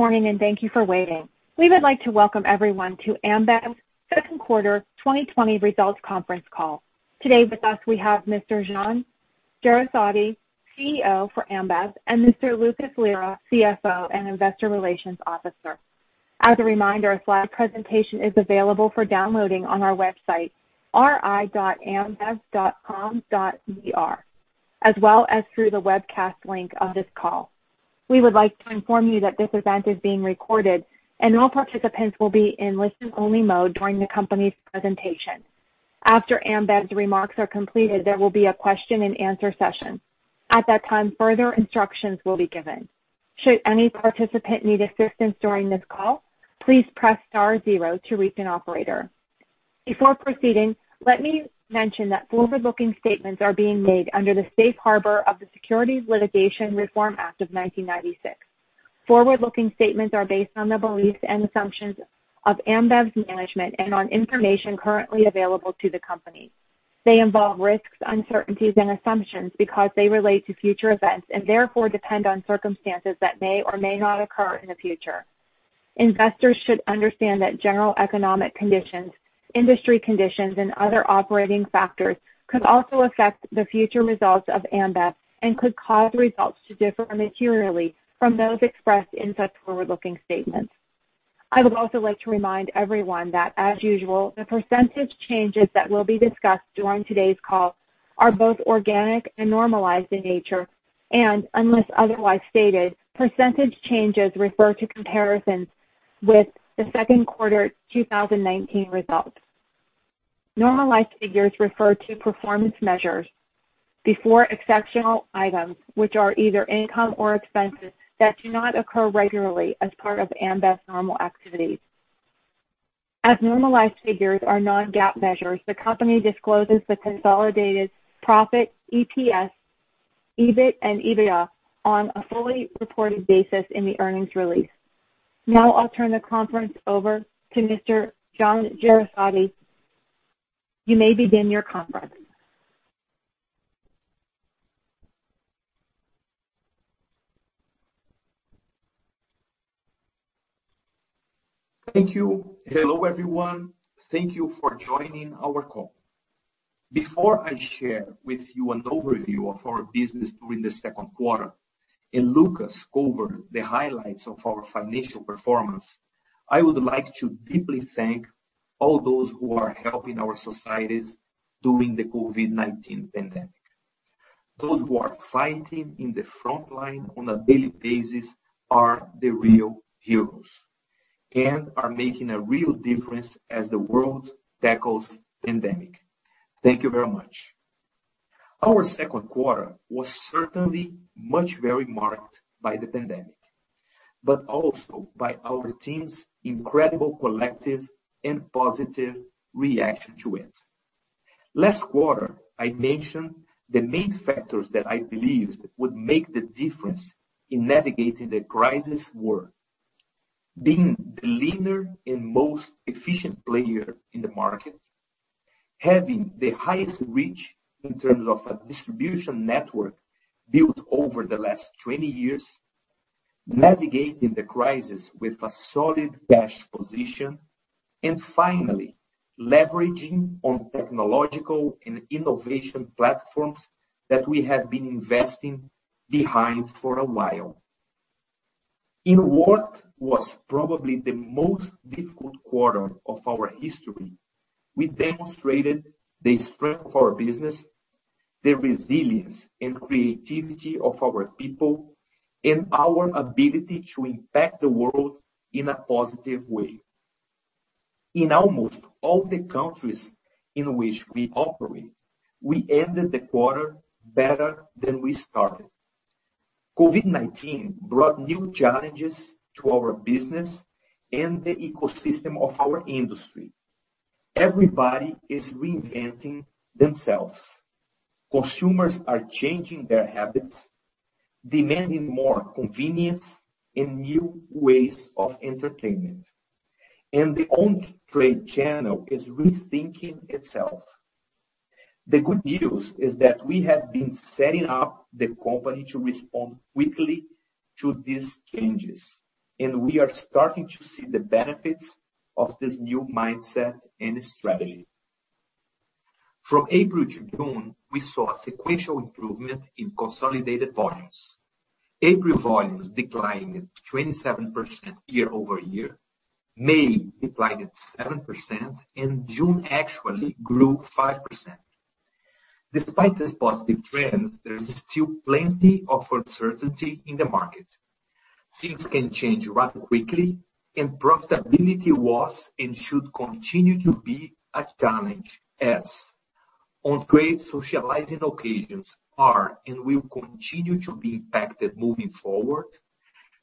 Morning. Thank you for waiting. We would like to welcome everyone to Ambev's second quarter 2020 results conference call. Today with us, we have Mr. Jean Jereissati, CEO for Ambev, and Mr. Lucas Lira, CFO and Investor Relations Officer. As a reminder, a slide presentation is available for downloading on our website, ri.ambev.com.br, as well as through the webcast link on this call. We would like to inform you that this event is being recorded, and all participants will be in listen-only mode during the company's presentation. After Ambev's remarks are completed, there will be a question and answer session. At that time, further instructions will be given. Should any participant need assistance during this call, please press star zero to reach an operator. Before proceeding, let me mention that forward-looking statements are being made under the safe harbor of the Securities Litigation Reform Act of 1996. Forward-looking statements are based on the beliefs and assumptions of Ambev's management and on information currently available to the company. They involve risks, uncertainties, and assumptions because they relate to future events and therefore depend on circumstances that may or may not occur in the future. Investors should understand that general economic conditions, industry conditions, and other operating factors could also affect the future results of Ambev and could cause results to differ materially from those expressed in such forward-looking statements. I would also like to remind everyone that, as usual, the percentage changes that will be discussed during today's call are both organic and normalized in nature. Unless otherwise stated, percentage changes refer to comparisons with the second quarter 2019 results. Normalized figures refer to performance measures before exceptional items which are either income or expenses that do not occur regularly as part of Ambev's normal activities. As normalized figures are non-GAAP measures, the company discloses the consolidated profit, EPS, EBIT, and EBITDA on a fully reported basis in the earnings release. I'll turn the conference over to Mr. Jean Jereissati. You may begin your conference. Thank you. Hello, everyone. Thank you for joining our call. Before I share with you an overview of our business during the second quarter and Lucas covers the highlights of our financial performance, I would like to deeply thank all those who are helping our societies during the COVID-19 pandemic. Those who are fighting in the frontline on a daily basis are the real heroes and are making a real difference as the world tackles the pandemic. Thank you very much. Our second quarter was certainly much very marked by the pandemic, but also by our team's incredible collective and positive reaction to it. Last quarter, I mentioned the main factors that I believed would make the difference in navigating the crisis were being the leader and most efficient player in the market, having the highest reach in terms of a distribution network built over the last 20 years, navigating the crisis with a solid cash position, and finally, leveraging on technological and innovation platforms that we have been investing behind for a while. In what was probably the most difficult quarter of our history, we demonstrated the strength of our business, the resilience and creativity of our people, and our ability to impact the world in a positive way. In almost all the countries in which we operate, we ended the quarter better than we started. COVID-19 brought new challenges to our business and the ecosystem of our industry. Everybody is reinventing themselves. Consumers are changing their habits, demanding more convenience and new ways of entertainment. The on-trade channel is rethinking itself. The good news is that we have been setting up the company to respond quickly to these changes, and we are starting to see the benefits of this new mindset and strategy. From April to June, we saw a sequential improvement in consolidated volumes. April volumes declined 27% year-over-year, May declined 7%, and June actually grew 5%. Despite this positive trend, there is still plenty of uncertainty in the market. Things can change rather quickly and profitability was and should continue to be a challenge as on-trade socializing occasions are and will continue to be impacted moving forward,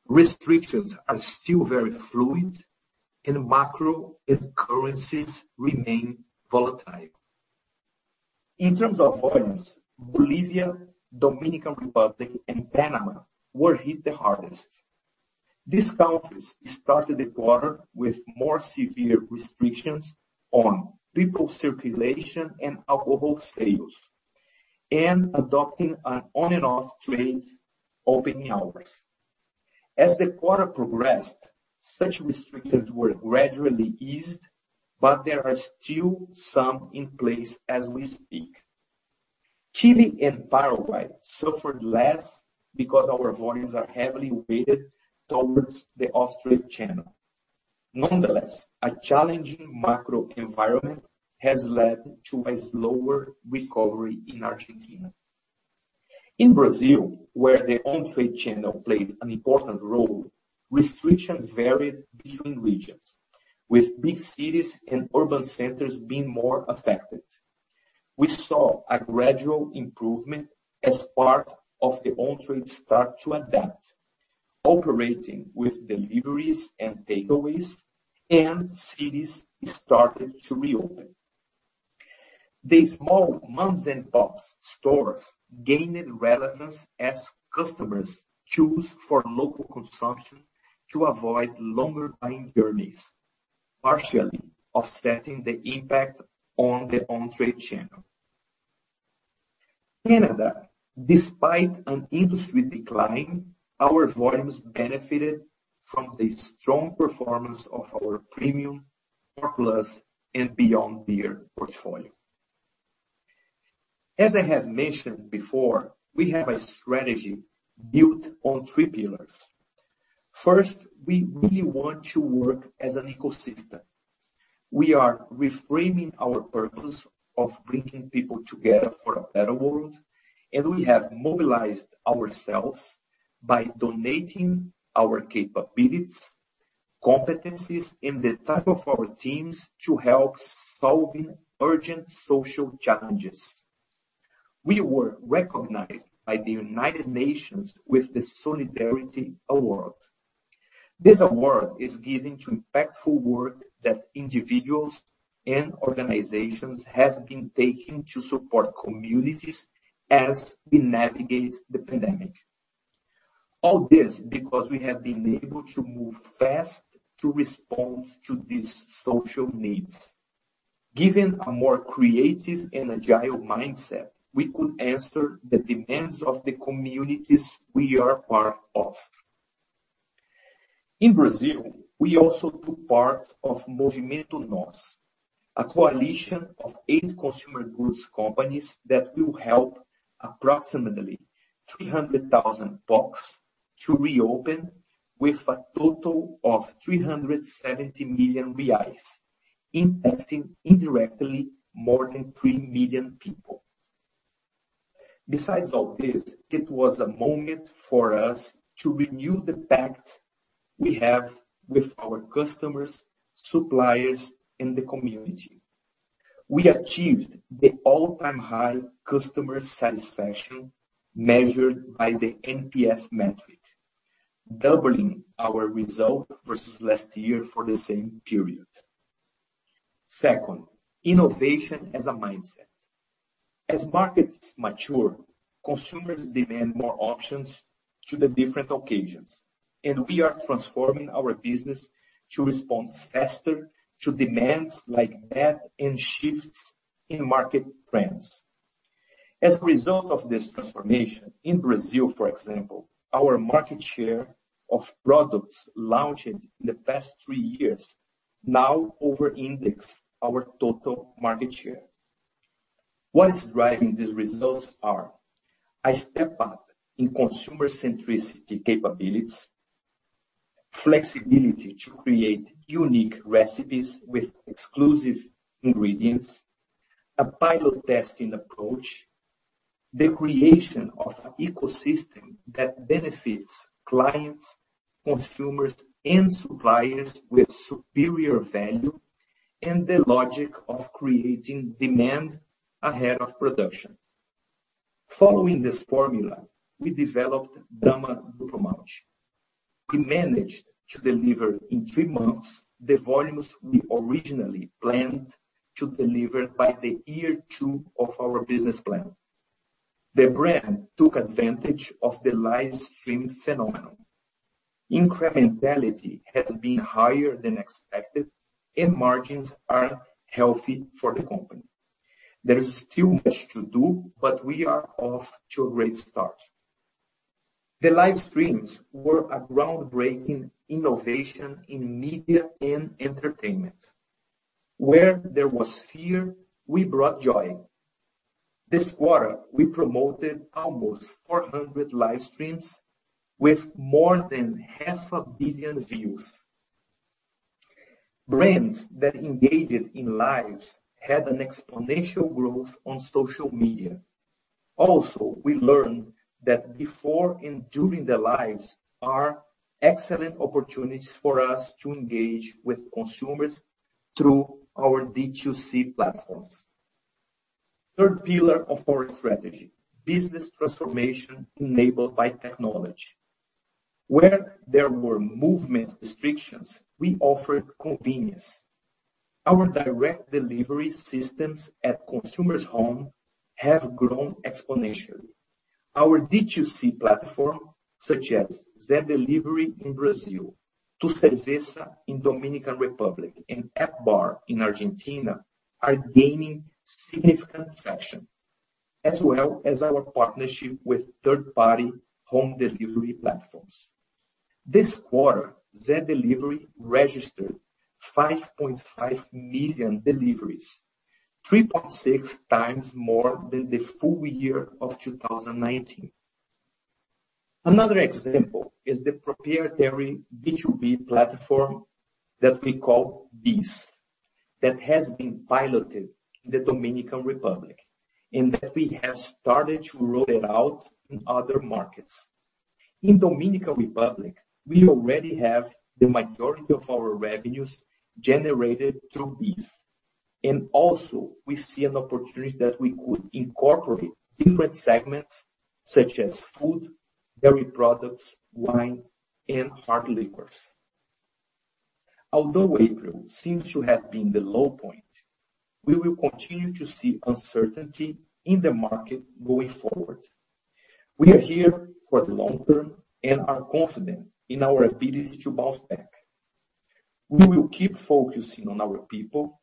restrictions are still very fluid, and macro and currencies remain volatile. In terms of volumes, Bolivia, Dominican Republic, and Panama were hit the hardest. These countries started the quarter with more severe restrictions on people circulation and alcohol sales, adopting an on- and off-trade opening hours. As the quarter progressed, such restrictions were gradually eased, but there are still some in place as we speak. Chile and Paraguay suffered less because our volumes are heavily weighted towards the off-trade channel. Nonetheless, a challenging macro environment has led to a slower recovery in Argentina. In Brazil, where the on-trade channel played an important role, restrictions varied between regions, with big cities and urban centers being more affected. We saw a gradual improvement as part of the on-trade start to adapt, operating with deliveries and takeaways, and cities started to reopen. The small mom-and-pop stores gained relevance as customers choose for local consumption to avoid longer time journeys, partially offsetting the impact on the on-trade channel. Canada, despite an industry decline, our volumes benefited from the strong performance of our premium, Core plus and Beyond Beer portfolio. As I have mentioned before, we have a strategy built on three pillars. First, we really want to work as an ecosystem. We are reframing our purpose of bringing people together for a better world, and we have mobilized ourselves by donating our capabilities, competencies, and the time of our teams to help solving urgent social challenges. We were recognized by the United Nations with the Solidarity Award. This award is given to impactful work that individuals and organizations have been taking to support communities as we navigate the pandemic. All this because we have been able to move fast to respond to these social needs. Given a more creative and agile mindset, we could answer the demands of the communities we are part of. In Brazil, we also took part of Movimento Nós, a coalition of eight consumer goods companies that will help approximately 300,000 pops to reopen with a total of 370 million reais, impacting indirectly more than 3 million people. Besides all this, it was a moment for us to renew the pact we have with our customers, suppliers, and the community. We achieved the all-time high customer satisfaction measured by the NPS metric, doubling our result versus last year for the same period. Second, innovation as a mindset. As markets mature, consumers demand more options to the different occasions, and we are transforming our business to respond faster to demands like that and shifts in market trends. As a result of this transformation, in Brazil, for example, our market share of products launched in the past three years now over index our total market share. What is driving these results are a step up in consumer centricity capabilities, flexibility to create unique recipes with exclusive ingredients, a pilot testing approach, the creation of an ecosystem that benefits clients, consumers, and suppliers with superior value, and the logic of creating demand ahead of production. Following this formula, we developed Brahma Duplo Malte. We managed to deliver in three months the volumes we originally planned to deliver by the year two of our business plan. The brand took advantage of the live stream phenomenon. Incrementality has been higher than expected. Margins are healthy for the company. There is still much to do. We are off to a great start. The live streams were a groundbreaking innovation in media and entertainment. Where there was fear, we brought joy. This quarter, we promoted almost 400 live streams with more than half a billion views. Brands that engaged in lives had an exponential growth on social media. We learned that before and during the lives are excellent opportunities for us to engage with consumers through our D2C platforms. Third pillar of our strategy, business transformation enabled by technology. Where there were movement restrictions, we offered convenience. Our direct delivery systems at consumers' home have grown exponentially. Our D2C platform, such as Zé Delivery in Brazil, Tu Cerveza in Dominican Republic, and App Bar in Argentina, are gaining significant traction, as well as our partnership with third-party home delivery platforms. This quarter, Zé Delivery registered 5.5 million deliveries, 3.6 times more than the full year of 2019. Another example is the proprietary B2B platform that we call BEES, that has been piloted in the Dominican Republic, and that we have started to roll it out in other markets. In Dominican Republic, we already have the majority of our revenues generated through BEES. Also, we see an opportunity that we could incorporate different segments such as food, dairy products, wine, and hard liquors. Although April seems to have been the low point, we will continue to see uncertainty in the market going forward. We are here for the long term and are confident in our ability to bounce back. We will keep focusing on our people,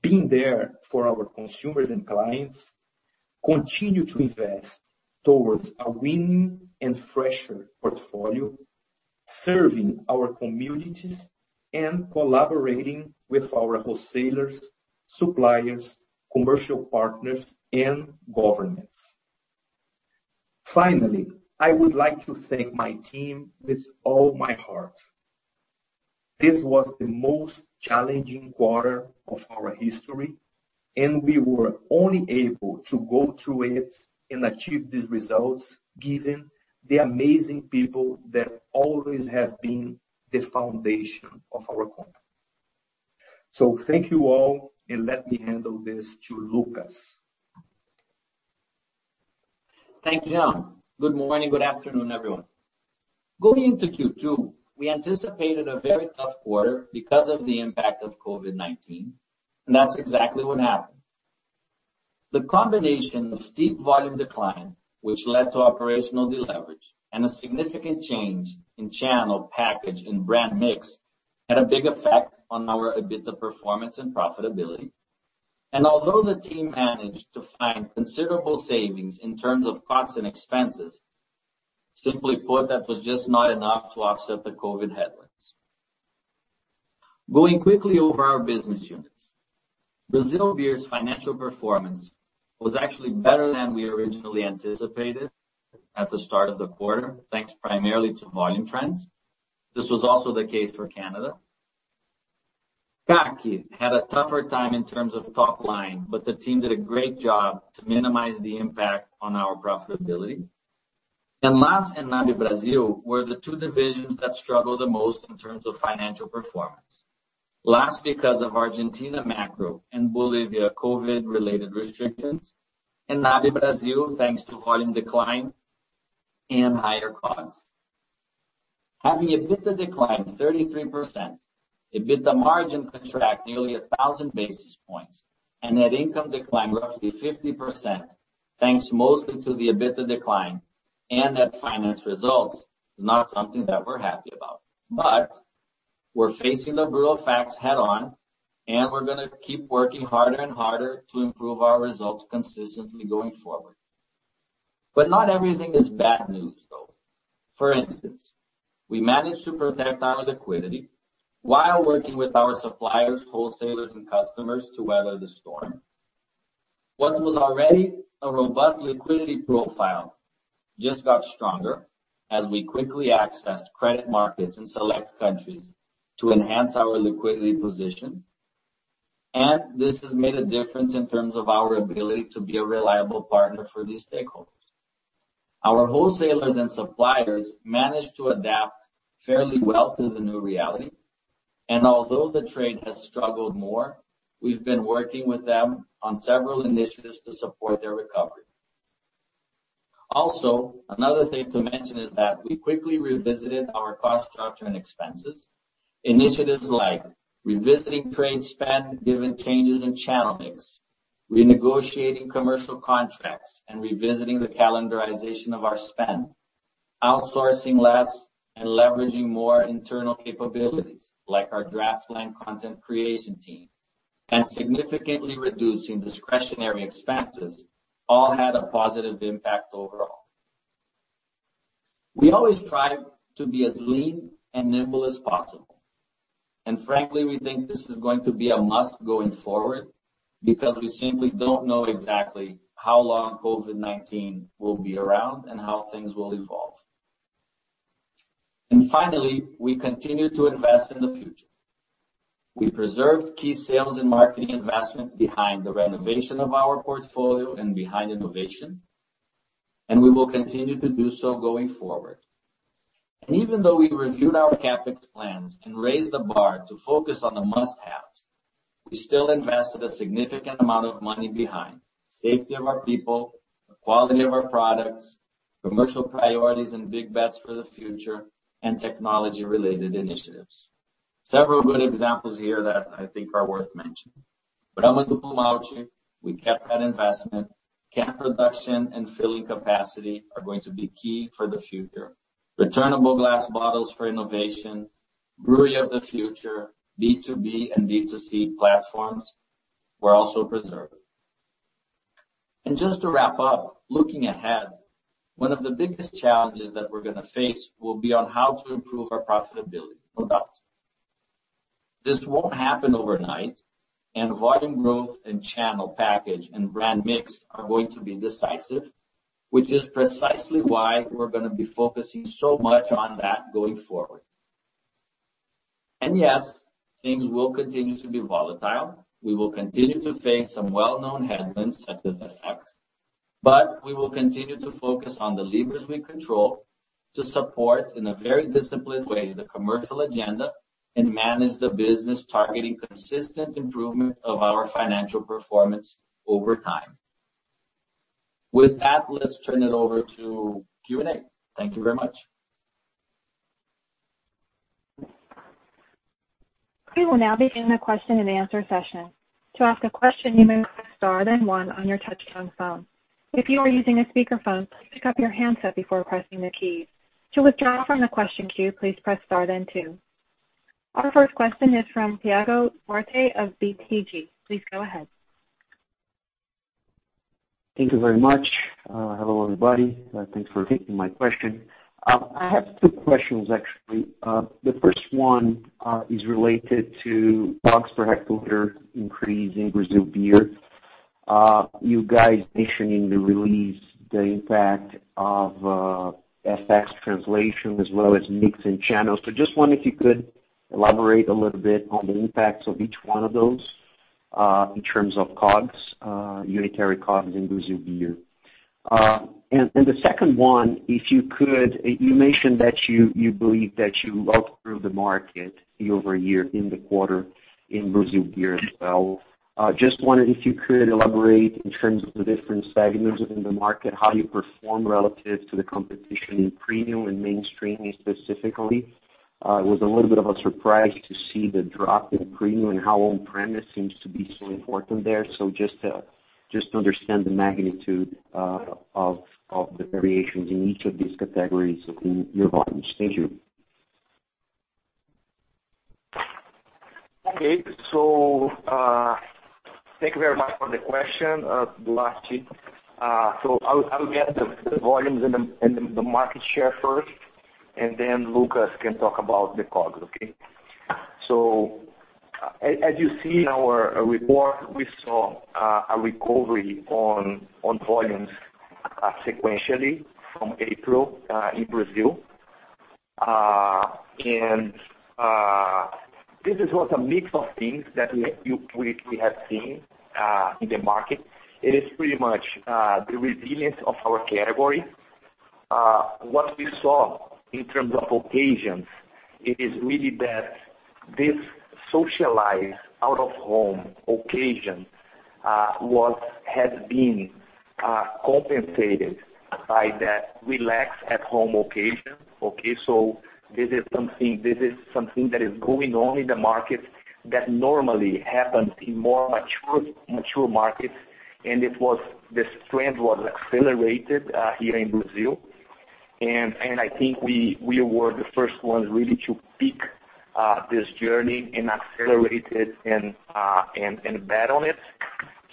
being there for our consumers and clients, continue to invest towards a winning and fresher portfolio, serving our communities, and collaborating with our wholesalers, suppliers, commercial partners, and governments. Finally, I would like to thank my team with all my heart. This was the most challenging quarter of our history, and we were only able to go through it and achieve these results given the amazing people that always have been the foundation of our company. Thank you all, and let me hand over this to Lucas. Thank you, Jean. Good morning, good afternoon, everyone. Going into Q2, we anticipated a very tough quarter because of the impact of COVID-19. That's exactly what happened. The combination of steep volume decline, which led to operational deleverage and a significant change in channel package and brand mix, had a big effect on our EBITDA performance and profitability. Although the team managed to find considerable savings in terms of costs and expenses, simply put, that was just not enough to offset the COVID headwinds. Going quickly over our business units. Brazil Beer's financial performance was actually better than we originally anticipated at the start of the quarter, thanks primarily to volume trends. This was also the case for Canada. CAC had a tougher time in terms of top line. The team did a great job to minimize the impact on our profitability. LAS and NAB Brasil were the two divisions that struggled the most in terms of financial performance. LAS because of Argentina macro and Bolivia COVID related restrictions, and NAB Brasil, thanks to volume decline and higher costs. Having EBITDA decline 33%, EBITDA margin contract nearly 1,000 basis points, and net income decline roughly 50%, thanks mostly to the EBITDA decline and net finance results is not something that we're happy about. We're facing the brutal facts head on, and we're gonna keep working harder and harder to improve our results consistently going forward. Not everything is bad news, though. For instance, we managed to protect our liquidity while working with our suppliers, wholesalers, and customers to weather the storm. What was already a robust liquidity profile just got stronger as we quickly accessed credit markets in select countries to enhance our liquidity position. This has made a difference in terms of our ability to be a reliable partner for these stakeholders. Our wholesalers and suppliers managed to adapt fairly well to the new reality. Although the trade has struggled more, we've been working with them on several initiatives to support their recovery. Another thing to mention is that we quickly revisited our cost structure and expenses. Initiatives like revisiting trade spend given changes in channel mix, renegotiating commercial contracts, and revisiting the calendarization of our spend, outsourcing less and leveraging more internal capabilities like our draft line content creation team, and significantly reducing discretionary expenses all had a positive impact overall. We always try to be as lean and nimble as possible. Frankly, we think this is going to be a must going forward because we simply don't know exactly how long COVID-19 will be around and how things will evolve. Finally, we continue to invest in the future. We preserved key sales and marketing investment behind the renovation of our portfolio and behind innovation, and we will continue to do so going forward. Even though we reviewed our CapEx plans and raised the bar to focus on the must-haves, we still invested a significant amount of money behind safety of our people, the quality of our products, commercial priorities and big bets for the future, and technology-related initiatives. Several good examples here that I think are worth mentioning. Under Dilmahouch, we kept that investment. Cap production and filling capacity are going to be key for the future. Returnable glass bottles for innovation, brewery of the future, B2B and B2C platforms were also preserved. Just to wrap up, looking ahead, one of the biggest challenges that we're going to face will be on how to improve our profitability, no doubt. This won't happen overnight, and volume growth and channel package and brand mix are going to be decisive, which is precisely why we're going to be focusing so much on that going forward. Yes, things will continue to be volatile. We will continue to face some well-known headwinds such as FX. We will continue to focus on the levers we control to support, in a very disciplined way, the commercial agenda and manage the business targeting consistent improvement of our financial performance over time. With that, let's turn it over to Q&A. Thank you very much. We will now begin the question and answer session. To ask a question, you may press star then one on your touchtone phone. If you are using a speakerphone, please pick up your handset before pressing the keys. To withdraw from the question queue, please press star then two. Our first question is from Thiago Duarte of BTG. Please go ahead. Thank you very much. Hello, everybody. Thanks for taking my question. I have two questions, actually. The first one is related to COGS per hectoliter increase in Brazil beer. You guys mentioning the release, the impact of FX translation as well as mix and channels. Just wonder if you could elaborate a little bit on the impacts of each one of those in terms of unitary COGS in Brazil beer. The second one, if you could, you mentioned that you believe that you outgrew the market year-over-year in the quarter in Brazil beer as well. Just wondered if you could elaborate in terms of the different segments within the market, how you perform relative to the competition in premium and mainstream specifically. It was a little bit of a surprise to see the drop in premium and how on-premise seems to be so important there. Just to understand the magnitude of the variations in each of these categories in your volumes. Thank you. Okay. Thank you very much for the question, Duarte. I will get the volumes and the market share first, and then Lucas can talk about the COGS. As you see in our report, we saw a recovery on volumes sequentially from April in Brazil. This was a mix of things that we have seen in the market. It is pretty much the resilience of our category. What we saw in terms of occasions, it is really that this socialize out of home occasion had been compensated by that relax at home occasion. This is something that is going on in the market that normally happens in more mature markets, and this trend was accelerated here in Brazil. I think we were the first ones really to pick this journey and accelerate it and bet on it.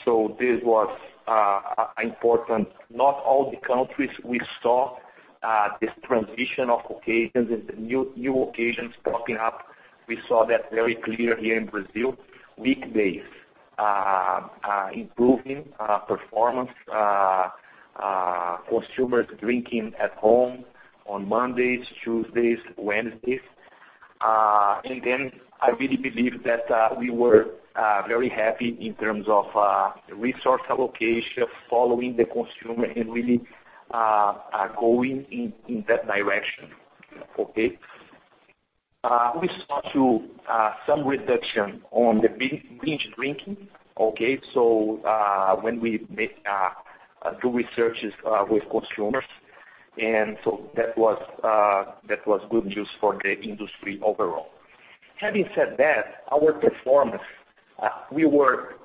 This was important. Not all the countries we saw this transition of occasions and new occasions popping up. We saw that very clear here in Brazil. Weekdays improving performance, consumers drinking at home on Mondays, Tuesdays, Wednesdays. I really believe that we were very happy in terms of resource allocation, following the consumer and really going in that direction. Okay? We saw too some reduction on the binge drinking, okay? When we do researches with consumers, that was good news for the industry overall. Having said that, our performance, we work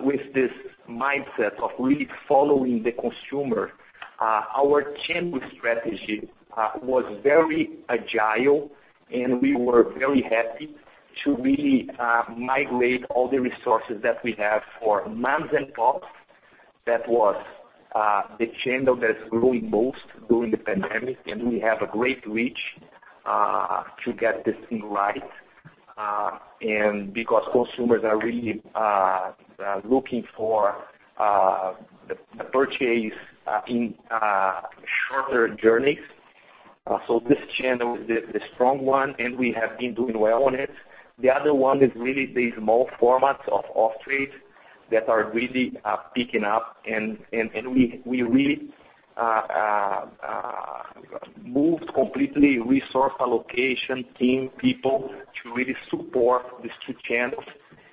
with this mindset of really following the consumer. Our channel strategy was very agile, and we were very happy to really migrate all the resources that we have for moms and pops. That was the channel that's growing most during the pandemic, and we have a great reach to get this thing right. Because consumers are really looking for the purchase in shorter journeys. This channel is the strong one, and we have been doing well on it. The other one is really the small formats of off-trade that are really picking up, and we really moved completely resource allocation team people to really support these two channels.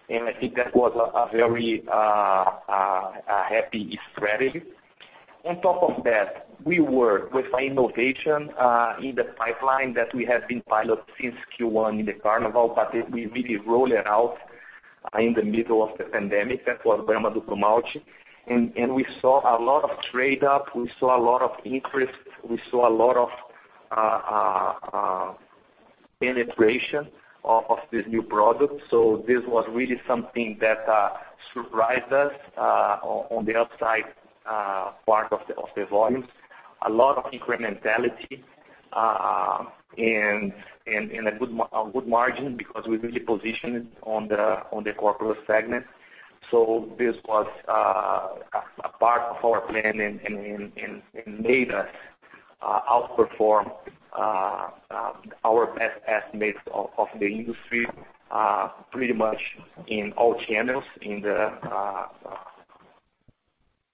I think that was a very happy strategy. Top of that, we work with an innovation in the pipeline that we have been piloting since Q1 in the Carnival, but we really rolled it out in the middle of the pandemic. That was Brahma Duplo Malte. We saw a lot of trade up, we saw a lot of increase, we saw a lot of penetration of this new product. This was really something that surprised us on the upside part of the volumes. A lot of incrementality and a good margin because we really positioned it on the Core plus segment. This was a part of our plan and made us outperform our best estimates of the industry, pretty much in all channels, in the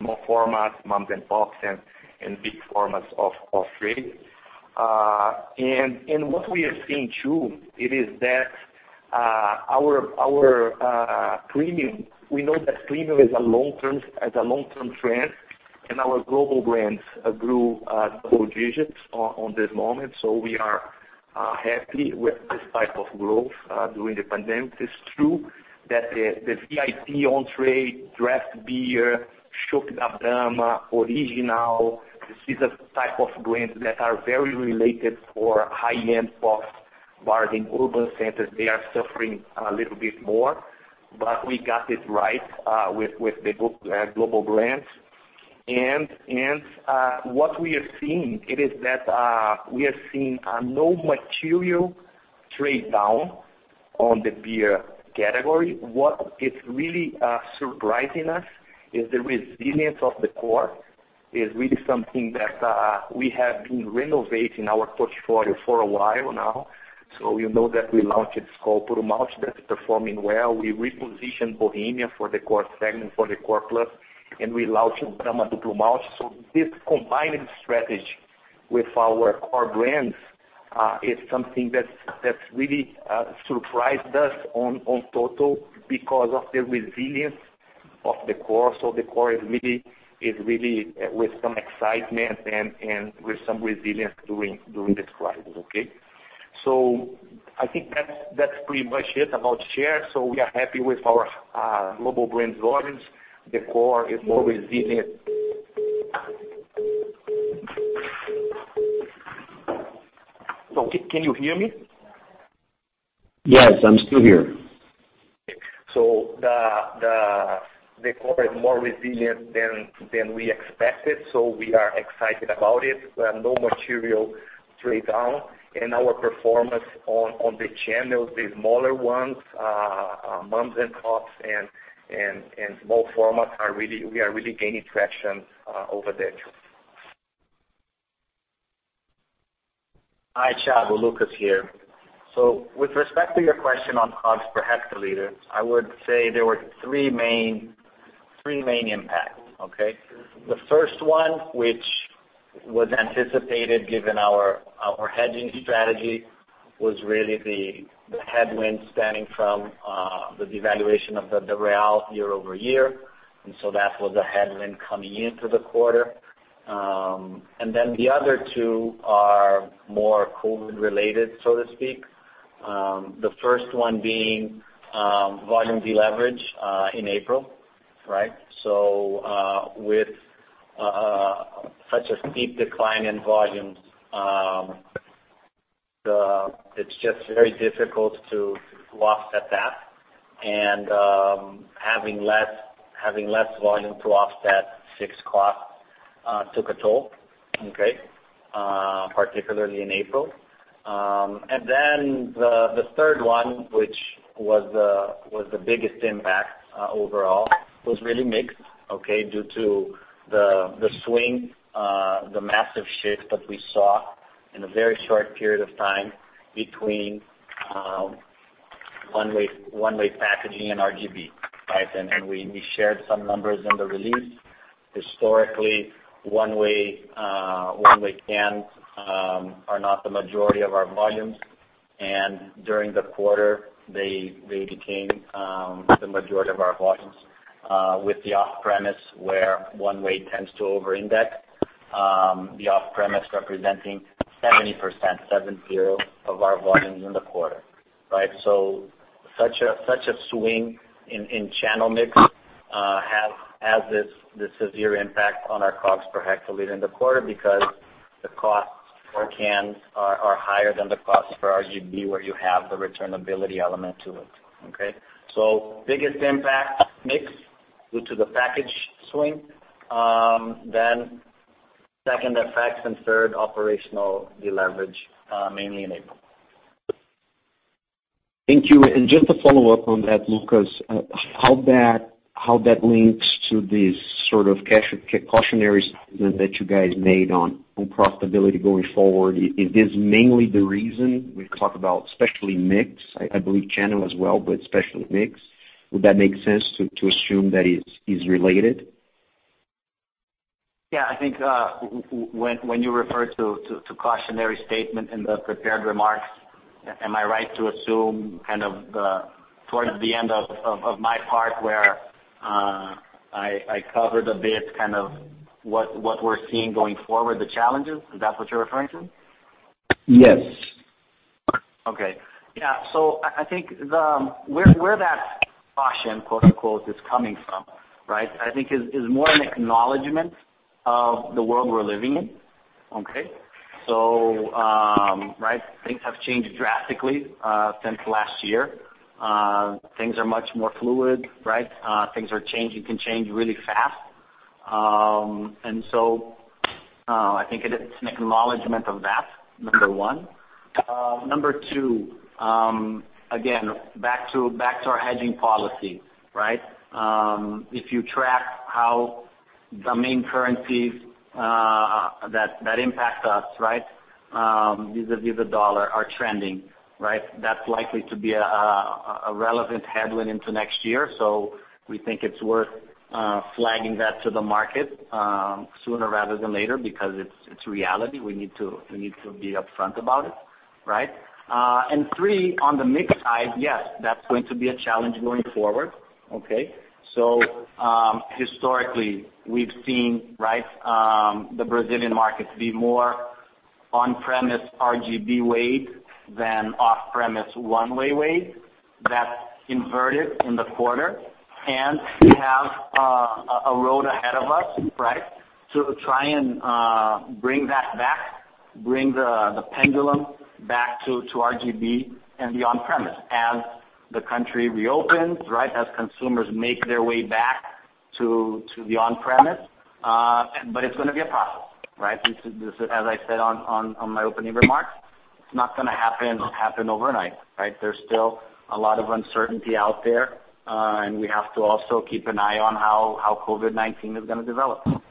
small format moms and pops and big formats of trade. What we are seeing, too, is that our premium, we know that premium is a long-term trend, our global brands grew double digits on this moment. We are happy with this type of growth during the pandemic. It's true that the VIP On Trade, draft beer, Chopp Brahma, Original, this is a type of brands that are very related for high-end pops bars in urban centers. They are suffering a little bit more, we got it right with the global brands. What we are seeing, is that we are seeing no material trade-down on the beer category. What is really surprising us is the resilience of the core, is really something that we have been renovating our portfolio for a while now. You know that we launched Skol Puro Malte, that is performing well. We repositioned Bohemia for the core segment, for the Core plus, and we launched Brahma Duplo Malte. This combining strategy with our core brands is something that's really surprised us on total because of the resilience of the core. The core is really with some excitement and with some resilience during this crisis, okay? I think that's pretty much it about share. We are happy with our global brands volumes. The core is more resilient. Can you hear me? Yes, I'm still here. The core is more resilient than we expected, so we are excited about it. No material trade-down. Our performance on the channels, the smaller ones, moms and pops and small formats, we are really gaining traction over there, too. Hi, Thiago. Lucas here. With respect to your question on costs per hectoliter, I would say there were three main impacts, okay? The first one, which was anticipated given our hedging strategy, was really the headwind stemming from the devaluation of the real year-over-year. That was a headwind coming into the quarter. The other two are more COVID-19 related, so to speak. The first one being volume deleverage in April, right? With such a steep decline in volumes, it's just very difficult to offset that. Having less volume to offset fixed cost took a toll, okay? Particularly in April. The third one, which was the biggest impact overall, was really mixed, okay? Due to the swing, the massive shift that we saw in a very short period of time between one-way packaging and RGB. Right? We shared some numbers in the release. Historically, one-way cans are not the majority of our volumes. During the quarter, they became the majority of our volumes with the off-premise, where one-way tends to over-index. The off-premise representing 70% of our volumes in the quarter. Right? Such a swing in channel mix has this severe impact on our costs per hectoliter in the quarter because the cost for cans are higher than the cost for RGB, where you have the returnability element to it, okay? Biggest impact, mix due to the package swing. Second, effects, and third, operational deleverage, mainly in April. Thank you. Just to follow up on that, Lucas, how that links to this sort of cautionary statement that you guys made on profitability going forward. It is mainly the reason we talk about especially mix, I believe channel as well, but especially mix. Would that make sense to assume that it's related? Yeah, I think when you refer to cautionary statement in the prepared remarks. Am I right to assume kind of towards the end of my part where I covered a bit what we're seeing going forward, the challenges, is that what you're referring to? Yes. Okay. Yeah. I think where that "caution," quote unquote, is coming from I think is more an acknowledgment of the world we're living in. Okay? Things have changed drastically since last year. Things are much more fluid. Things are changing, can change really fast. I think it's an acknowledgment of that, number one. Number two, again, back to our hedging policy. If you track how the main currencies that impact us vis-a-vis the dollar are trending, that's likely to be a relevant headwind into next year. We think it's worth flagging that to the market sooner rather than later because it's reality. We need to be upfront about it. Three, on the mix side, yes, that's going to be a challenge going forward. Okay? Historically we've seen the Brazilian market be more on-premise RGB weight than off-premise one way weight. That inverted in the quarter. We have a road ahead of us to try and bring that back, bring the pendulum back to RGB and the on-premise as the country reopens, as consumers make their way back to the on-premise. It's going to be a process. As I said on my opening remarks, it's not going to happen overnight. There's still a lot of uncertainty out there, and we have to also keep an eye on how COVID-19 is going to develop.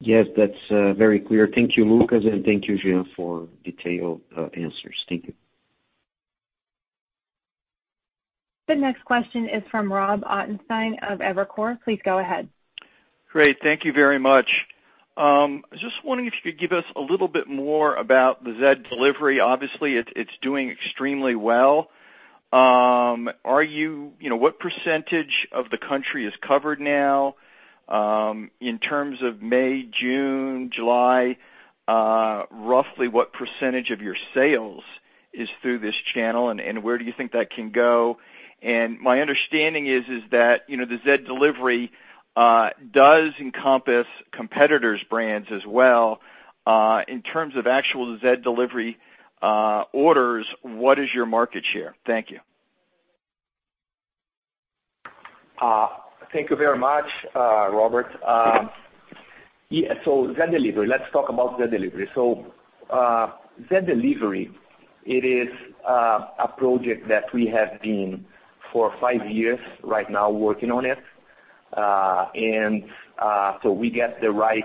Yes, that's very clear. Thank you, Lucas, and thank you, Jean, for detailed answers. Thank you. The next question is from Robert Ottenstein of Evercore. Please go ahead. Great. Thank you very much. I was just wondering if you could give us a little bit more about the Zé Delivery. Obviously, it's doing extremely well. What % of the country is covered now? In terms of May, June, July, roughly what % of your sales is through this channel, and where do you think that can go? My understanding is that the Zé Delivery does encompass competitors' brands as well. In terms of actual Zé Delivery orders, what is your market share? Thank you. Thank you very much, Robert. Zé Delivery, let's talk about Zé Delivery. Zé Delivery, it is a project that we have been, for five years right now, working on it. We get the right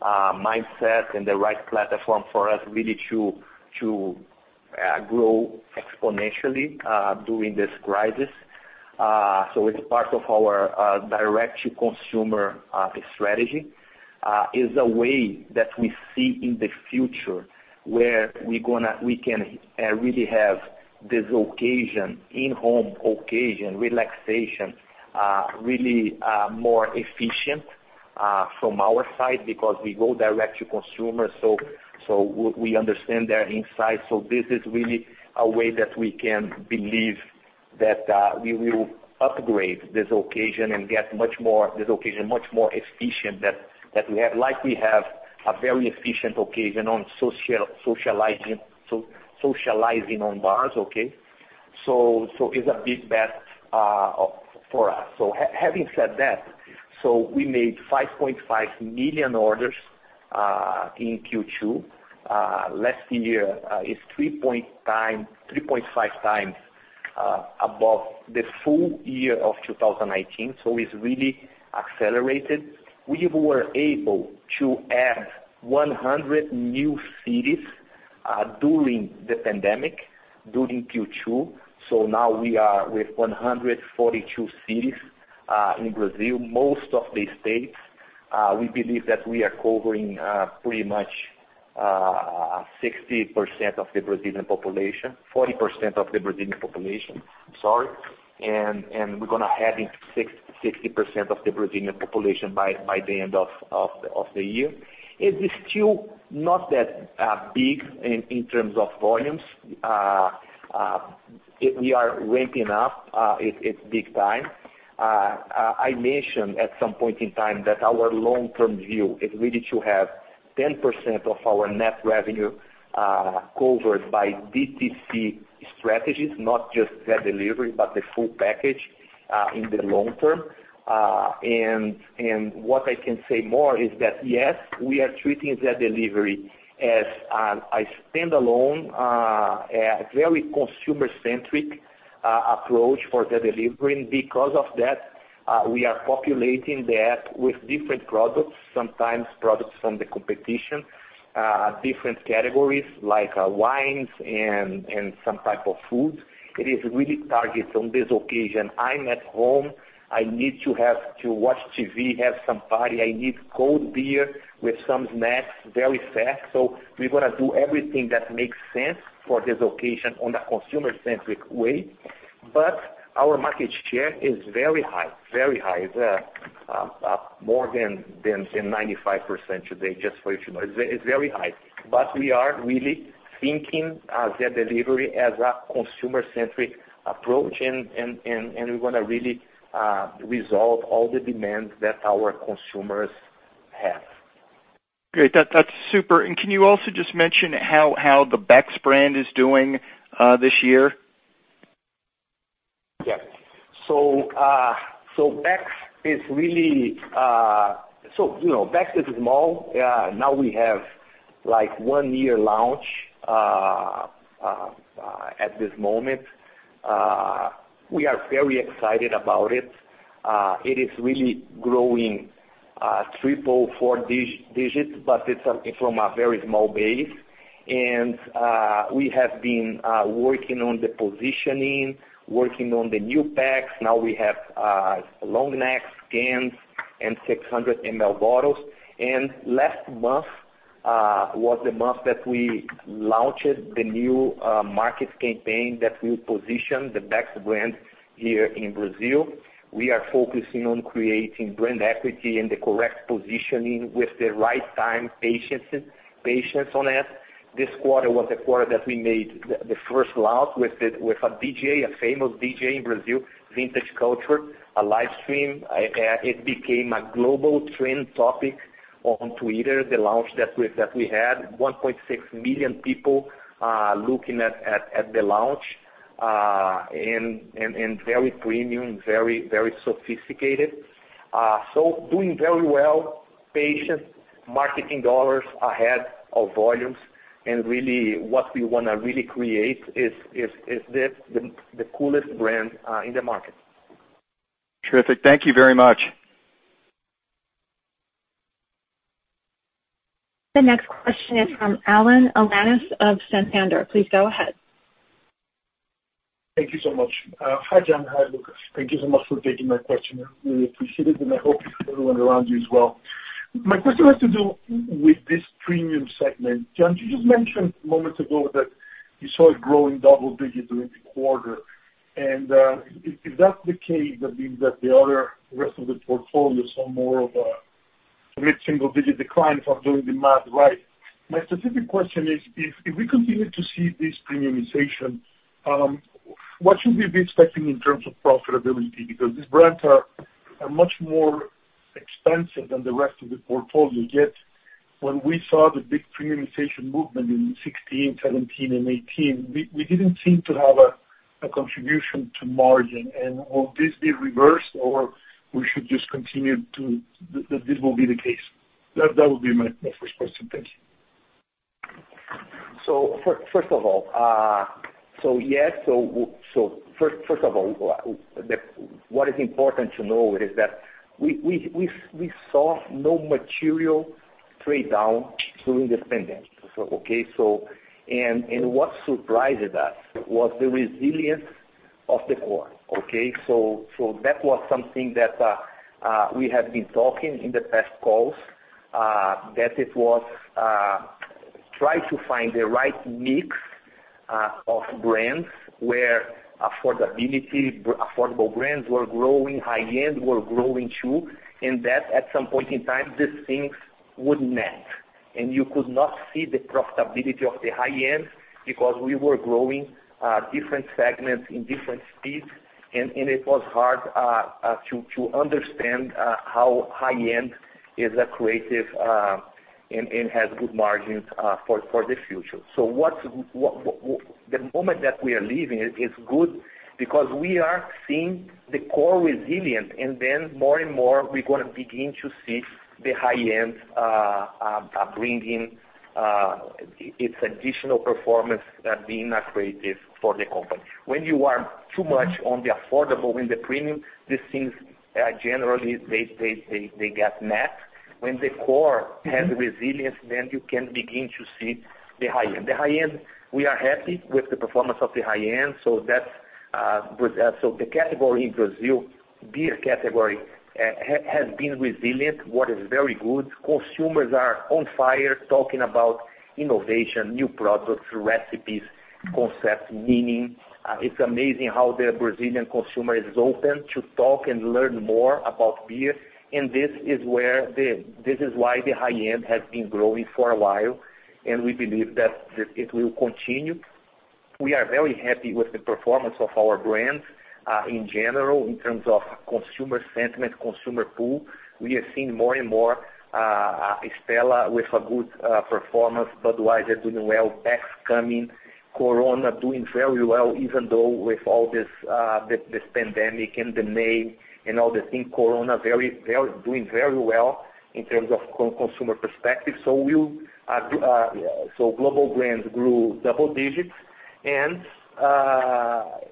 mindset and the right platform for us really to grow exponentially during this crisis. It's part of our direct-to-consumer strategy. It's a way that we see in the future where we can really have this occasion, in-home occasion, relaxation really more efficient from our side because we go direct to consumer, so we understand their insights. This is really a way that we can believe that we will upgrade this occasion and get this occasion much more efficient than we have. Like we have a very efficient occasion on socializing on bars. It's a big bet for us. Having said that, we made 5.5 million orders in Q2. Last year is 3.5 times above the full year of 2019. It's really accelerated. We were able to add 100 new cities during the pandemic, during Q2. Now we are with 142 cities in Brazil, most of the states. We believe that we are covering pretty much 40% of the Brazilian population, and we're going to have 60% of the Brazilian population by the end of the year. It is still not that big in terms of volumes. We are ramping up. It's big time. I mentioned at some point in time that our long-term view is really to have 10% of our net revenue covered by DTC strategies, not just Zé Delivery, but the full package in the long term. What I can say more is that, yes, we are treating Zé Delivery as a standalone, a very consumer-centric approach for the delivery. Because of that, we are populating that with different products, sometimes products from the competition, different categories like wines and some type of foods. It is really targets on this occasion. I'm at home, I need to watch TV, have some party. I need cold beer with some snacks very fast. We're going to do everything that makes sense for this occasion on a consumer-centric way. Our market share is very high. More than 95% today, just for you to know. It's very high. We are really thinking as the delivery, as a consumer-centric approach, and we want to really resolve all the demands that our consumers have. Great. That's super. Can you also just mention how the Beck's brand is doing this year? Yeah. Beck's is small. Now we have one year launch at this moment. We are very excited about it. It is really growing triple, four digits, but it's something from a very small base. We have been working on the positioning, working on the new packs. Now we have long neck scans and 600 ml bottles. Last month, was the month that we launched the new market campaign that will position the Beck's brand here in Brazil. We are focusing on creating brand equity and the correct positioning with the right time patience on it. This quarter was the quarter that we made the first launch with a famous DJ in Brazil, Vintage Culture, a live stream. It became a global trend topic on Twitter, the launch that we had, 1.6 million people looking at the launch, and very premium, very sophisticated. Doing very well, patient, marketing dollars ahead of volumes, and really what we want to really create is the coolest brand in the market. Terrific. Thank you very much. The next question is from Alan Alanis of Santander. Please go ahead. Thank you so much. Hi, Jean. Hi, Lucas. Thank you so much for taking my question. Really appreciate it, and I hope everyone around you as well. My question has to do with this premium segment. Jean, you just mentioned moments ago that you saw it growing double digits during the quarter. If that's the case, that means that the other rest of the portfolios are more of a mid-single digit decline, if I'm doing the math right. My specific question is, if we continue to see this premiumization, what should we be expecting in terms of profitability? Because these brands are much more expensive than the rest of the portfolio. Yet when we saw the big premiumization movement in 2016, 2017, and 2018, we didn't seem to have a contribution to margin. Will this be reversed, or we should just continue to, that this will be the case? That would be my first question. Thank you. First of all, what is important to know is that we saw no material trade down during this pandemic. Okay. What surprises us was the resilience of the core. Okay. That was something that we have been talking in the past calls, that it was try to find the right mix of brands where affordable brands were growing, high end were growing, too. That at some point in time, these things would match, and you could not see the profitability of the high end because we were growing different segments in different speeds, and it was hard to understand how high end is creative and has good margins for the future. The moment that we are leaving is good because we are seeing the core resilience, and then more and more, we're going to begin to see the high end bringing its additional performance being accretive for the company. When you are too much on the affordable and the premium, these things, generally they get met. When the core has resilience, then you can begin to see the high end. The high end, we are happy with the performance of the high end. The category in Brazil, beer category, has been resilient, what is very good. Consumers are on fire talking about innovation, new products, recipes, concepts, meaning. It's amazing how the Brazilian consumer is open to talk and learn more about beer. This is why the high end has been growing for a while, and we believe that it will continue. We are very happy with the performance of our brands. In general, in terms of consumer sentiment, consumer pool, we are seeing more and more Stella with a good performance. Budweiser doing well, Beck's coming, Corona doing very well, even though with all this pandemic and the May and all the things, Corona doing very well in terms of consumer perspective. Global brands grew double digits, and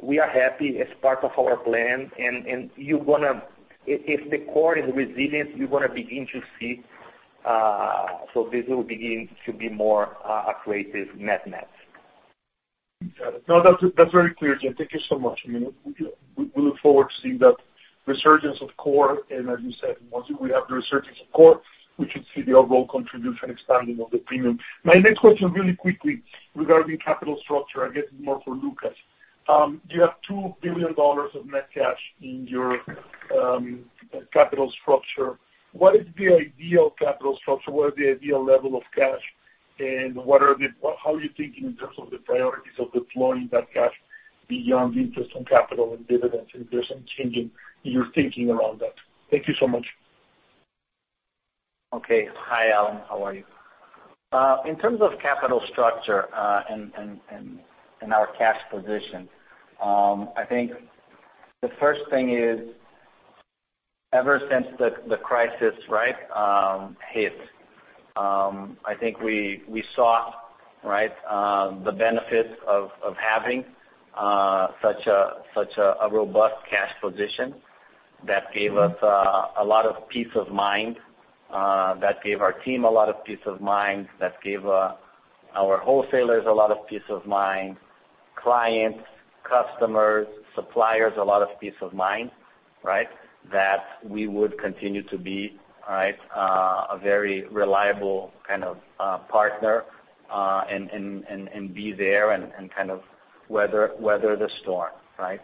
we are happy as part of our plan. If the core is resilient, you're going to begin to see, this will begin to be more accretive net-net. Got it. No, that's very clear, Jean. Thank you so much. Resurgence of core, and as you said, once we have the resurgence of core, we should see the overall contribution expanding of the premium. My next question really quickly regarding capital structure, I guess more for Lucas. You have $2 billion of net cash in your capital structure. What is the ideal capital structure? What is the ideal level of cash, and how are you thinking in terms of the priorities of deploying that cash beyond the interest on capital and dividends? If there's some change in your thinking around that. Thank you so much. Okay. Hi, Alan. How are you? In terms of capital structure, and our cash position, I think the first thing is ever since the crisis hit, I think we saw the benefits of having such a robust cash position that gave us a lot of peace of mind, that gave our team a lot of peace of mind, that gave our wholesalers a lot of peace of mind, clients, customers, suppliers, a lot of peace of mind. That we would continue to be a very reliable kind of partner, and be there and kind of weather the storm. I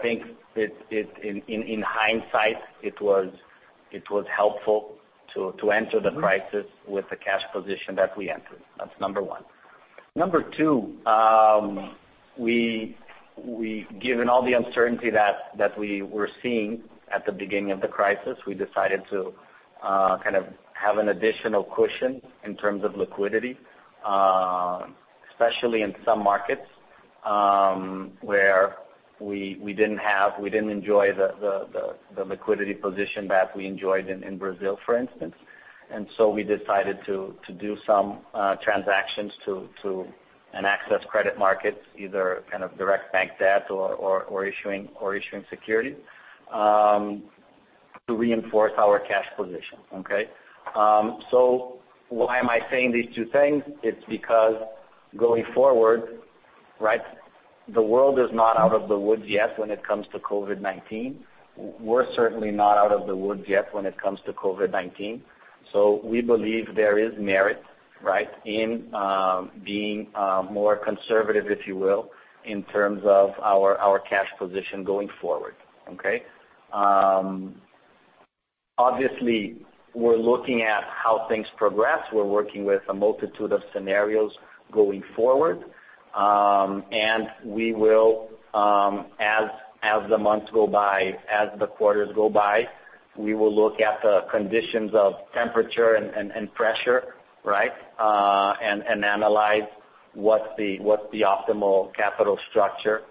think in hindsight, it was helpful to enter the crisis with the cash position that we entered. That's number one. Number two, given all the uncertainty that we were seeing at the beginning of the crisis, we decided to kind of have an additional cushion in terms of liquidity, especially in some markets, where we didn't enjoy the liquidity position that we enjoyed in Brazil, for instance. We decided to do some transactions to an access credit market, either kind of direct bank debt or issuing securities, to reinforce our cash position. Okay? Why am I saying these two things? It's because going forward, the world is not out of the woods yet when it comes to COVID-19. We're certainly not out of the woods yet when it comes to COVID-19. We believe there is merit in being more conservative, if you will, in terms of our cash position going forward. Okay? Obviously, we're looking at how things progress. We're working with a multitude of scenarios going forward. We will, as the months go by, as the quarters go by, we will look at the conditions of temperature and pressure, and analyze what the optimal capital structure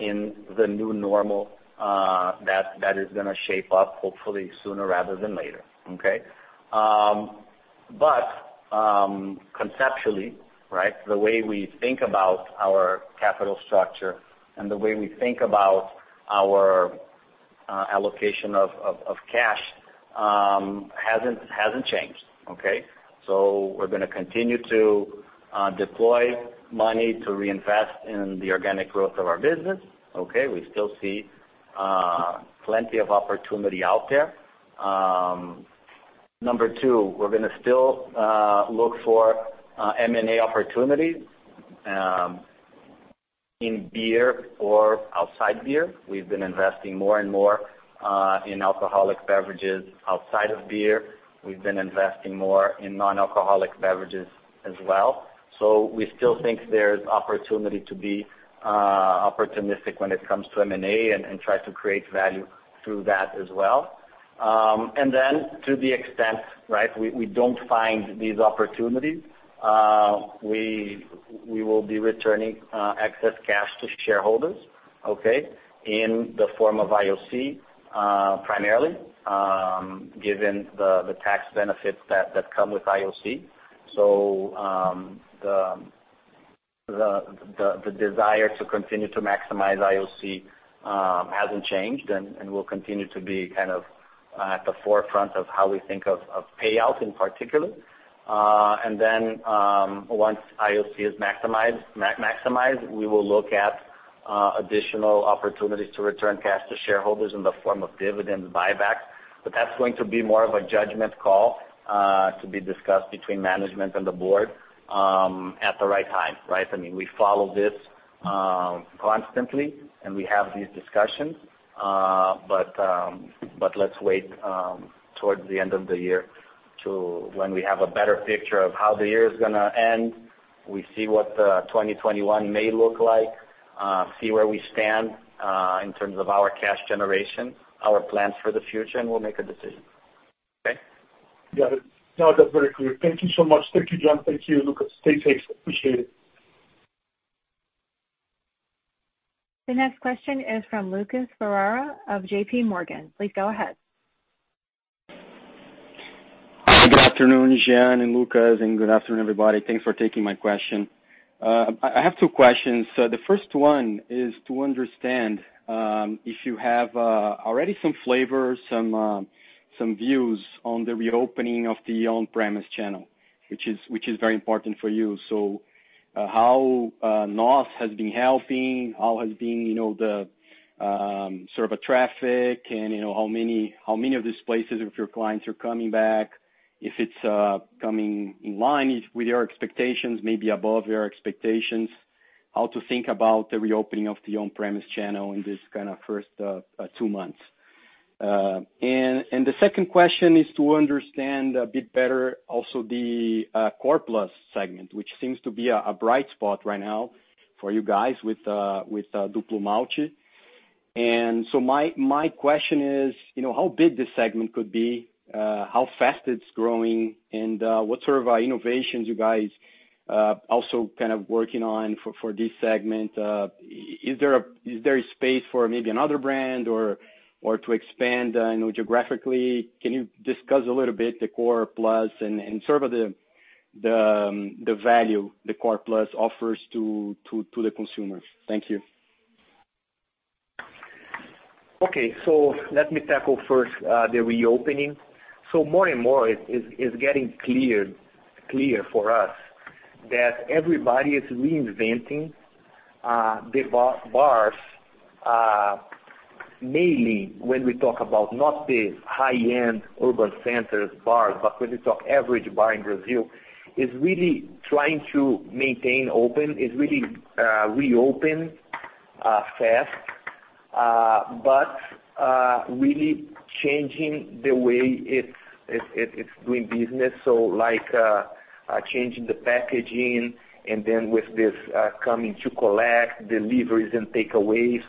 in the new normal that is going to shape up hopefully sooner rather than later. Okay? Conceptually, the way we think about our capital structure and the way we think about our allocation of cash hasn't changed. Okay? We're going to continue to deploy money to reinvest in the organic growth of our business. We still see plenty of opportunity out there. Number two, we're going to still look for M&A opportunities in beer or outside beer. We've been investing more and more in alcoholic beverages outside of beer. We've been investing more in non-alcoholic beverages as well. We still think there's opportunity to be opportunistic when it comes to M&A and try to create value through that as well. To the extent we don't find these opportunities, we will be returning excess cash to shareholders in the form of JCP, primarily, given the tax benefits that come with JCP. The desire to continue to maximize JCP hasn't changed and will continue to be kind of at the forefront of how we think of payout in particular. Once JCP is maximized, we will look at additional opportunities to return cash to shareholders in the form of dividend buyback. That's going to be more of a judgment call to be discussed between management and the board at the right time. I mean, we follow this constantly, and we have these discussions. Let's wait towards the end of the year to when we have a better picture of how the year is going to end. We see what 2021 may look like, see where we stand in terms of our cash generation, our plans for the future, and we'll make a decision. Okay? Got it. No, that's very clear. Thank you so much. Thank you, Jean. Thank you, Lucas. Stay safe. Appreciate it. The next question is from Lucas Ferreira of JPMorgan. Please go ahead. Good afternoon, Jean and Lucas, and good afternoon, everybody. Thanks for taking my question. I have two questions. The first one is to understand, if you have already some flavor, some views on the reopening of the on-premise channel, which is very important for you. How NóS has been helping, how has been the sort of traffic and how many of these places of your clients are coming back? If it's coming in line with your expectations, maybe above your expectations, how to think about the reopening of the on-premise channel in this kind of first two months. The second question is to understand a bit better also the core plus segment, which seems to be a bright spot right now for you guys with Duplo Malte. My question is, how big this segment could be, how fast it's growing, and what sort of innovations you guys also kind of working on for this segment. Is there a space for maybe another brand or to expand geographically? Can you discuss a little bit the Core plus and sort of the value the Core plus offers to the consumers? Thank you. Okay. Let me tackle first the reopening. More and more it is getting clear for us that everybody is reinventing the bars. Mainly when we talk about not the high-end urban centers bars, but when we talk average bar in Brazil, is really trying to maintain open, is really reopen fast but really changing the way it's doing business. Like changing the packaging and then with this coming to collect deliveries and takeaways.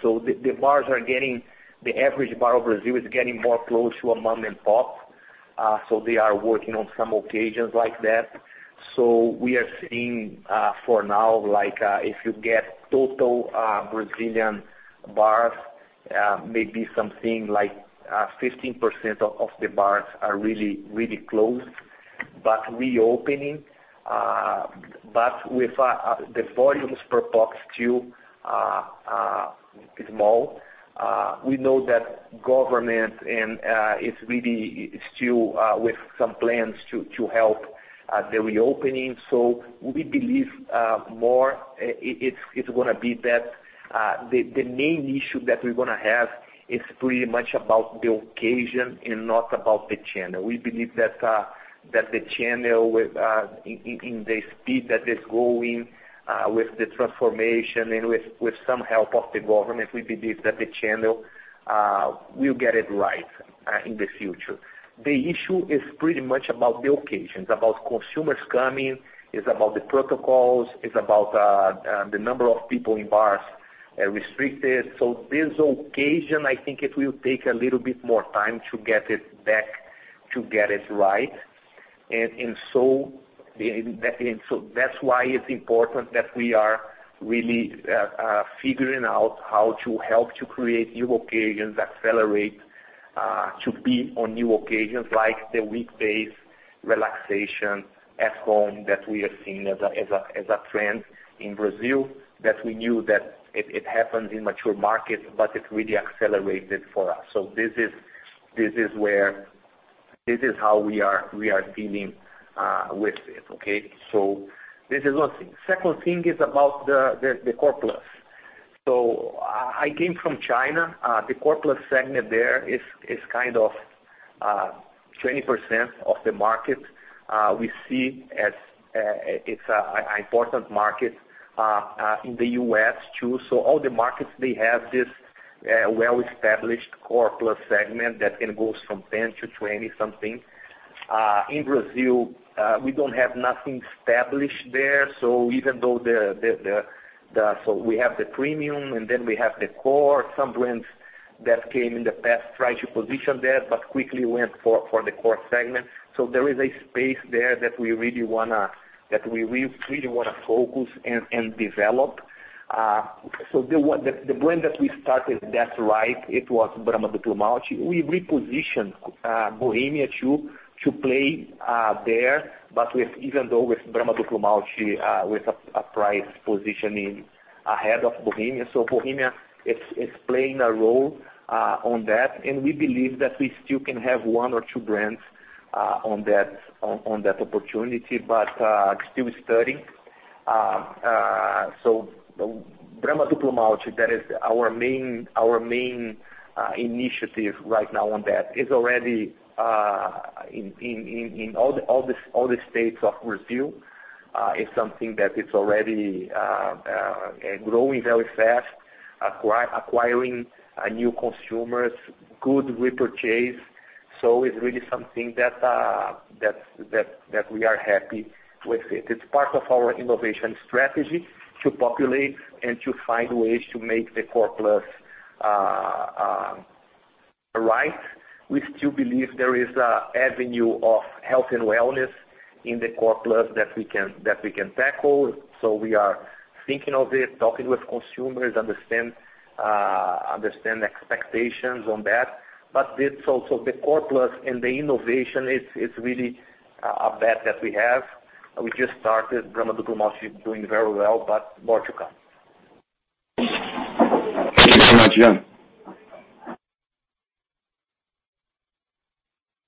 The average bar of Brazil is getting more close to a mom and pop. They are working on some occasions like that. We are seeing for now, if you get total Brazilian bars, maybe something like 15% of the bars are really closed, but reopening. With the volumes per pack still small. We know that government is really still with some plans to help the reopening. We believe more it's going to be that the main issue that we're going to have is pretty much about the occasion and not about the channel. We believe that the channel, in the speed that it's going with the transformation and with some help of the government, we believe that the channel will get it right in the future. The issue is pretty much about the occasions, about consumers coming. It's about the protocols, it's about the number of people in bars restricted. This occasion, I think it will take a little bit more time to get it back, to get it right. That's why it's important that we are really figuring out how to help to create new occasions, accelerate to be on new occasions, like the weekdays relaxation at home that we are seeing as a trend in Brazil, that we knew that it happens in mature markets. It really accelerated for us. This is how we are dealing with it. This is one thing. Second thing is about the Core plus. I came from China. The Core plus segment there is kind of 20% of the market. We see it's an important market in the U.S. too. All the markets, they have this well-established Core plus segment that can go from 10-20 something. In Brazil, we don't have nothing established there. Even though we have the premium and then we have the core, some brands that came in the past tried to position there, but quickly went for the core segment. There is a space there that we really want to focus and develop. The brand that we started that right, it was Brahma Duplo Malte. We repositioned Bohemia too to play there, but even though with Brahma Duplo Malte with a price positioning ahead of Bohemia. Bohemia is playing a role on that, and we believe that we still can have one or two brands on that opportunity, but still studying. Brahma Duplo Malte, that is our main initiative right now on that is already in all the states of Brazil. It's something that it's already growing very fast, acquiring new consumers, good repurchase. It's really something that we are happy with it. It's part of our innovation strategy to populate and to find ways to make the Core plus right. We still believe there is an avenue of health and wellness in the Core plus that we can tackle. We are thinking of it, talking with consumers, understand expectations on that. It's also the Core plus and the innovation it's really a bet that we have. We just started Brahma Duplo Malte doing very well, but more to come. Thank you very much, Jean.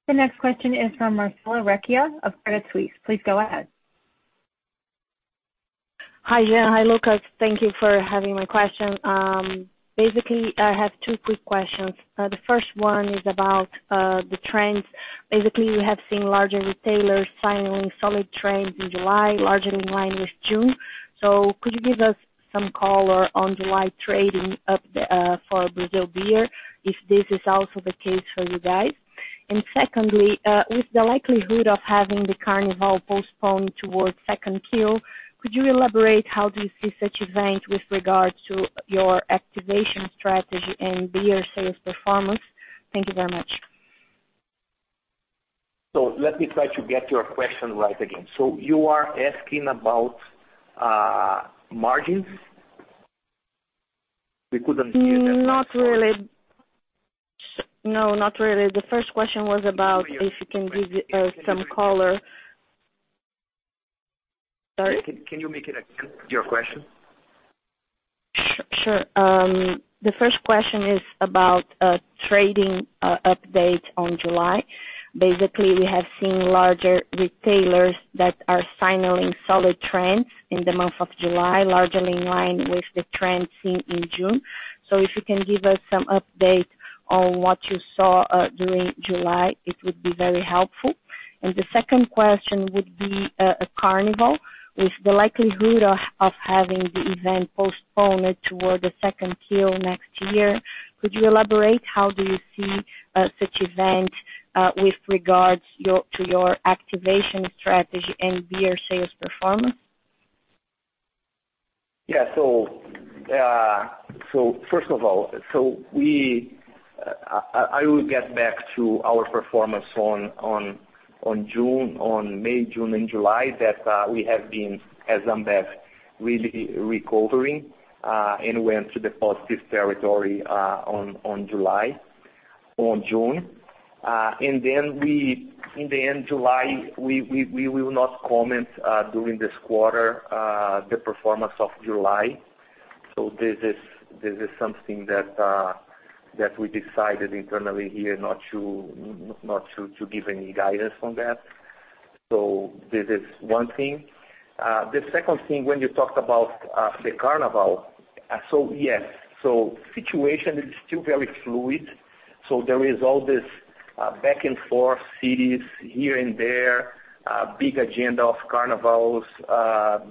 The next question is from Marcella Recchia of Credit Suisse. Please go ahead. Hi, Jean. Hi, Lucas. Thank you for having my question. I have two quick questions. The first one is about the trends. We have seen larger retailers signing solid trends in July, largely in line with June. Could you give us some color on July trading for Brazil beer, if this is also the case for you guys? Secondly, with the likelihood of having the Carnival postponed towards Q2, could you elaborate how do you see such event with regard to your activation strategy and beer sales performance? Thank you very much. Let me try to get your question right again. You are asking about margins? We couldn't hear that. Not really. No, not really. The first question was about if you can give some color. Sorry? Can you make it again, your question? Sure. The first question is about trading update on July. We have seen larger retailers that are signaling solid trends in the month of July, largely in line with the trend seen in June. If you can give us some update on what you saw during July, it would be very helpful. The second question would be Carnival. With the likelihood of having the event postponed toward the Q2 next year, could you elaborate how do you see such event with regards to your activation strategy and beer sales performance? First of all, I will get back to our performance on May, June, and July that we have been, as Ambev, really recovering and went to the positive territory on July, on June. In the end July, we will not comment during this quarter the performance of July. This is something that we decided internally here not to give any guidance on that. This is one thing. The second thing, when you talked about the Carnival. Yes, situation is still very fluid. There is all this back and forth, cities here and there, big agenda of Carnivals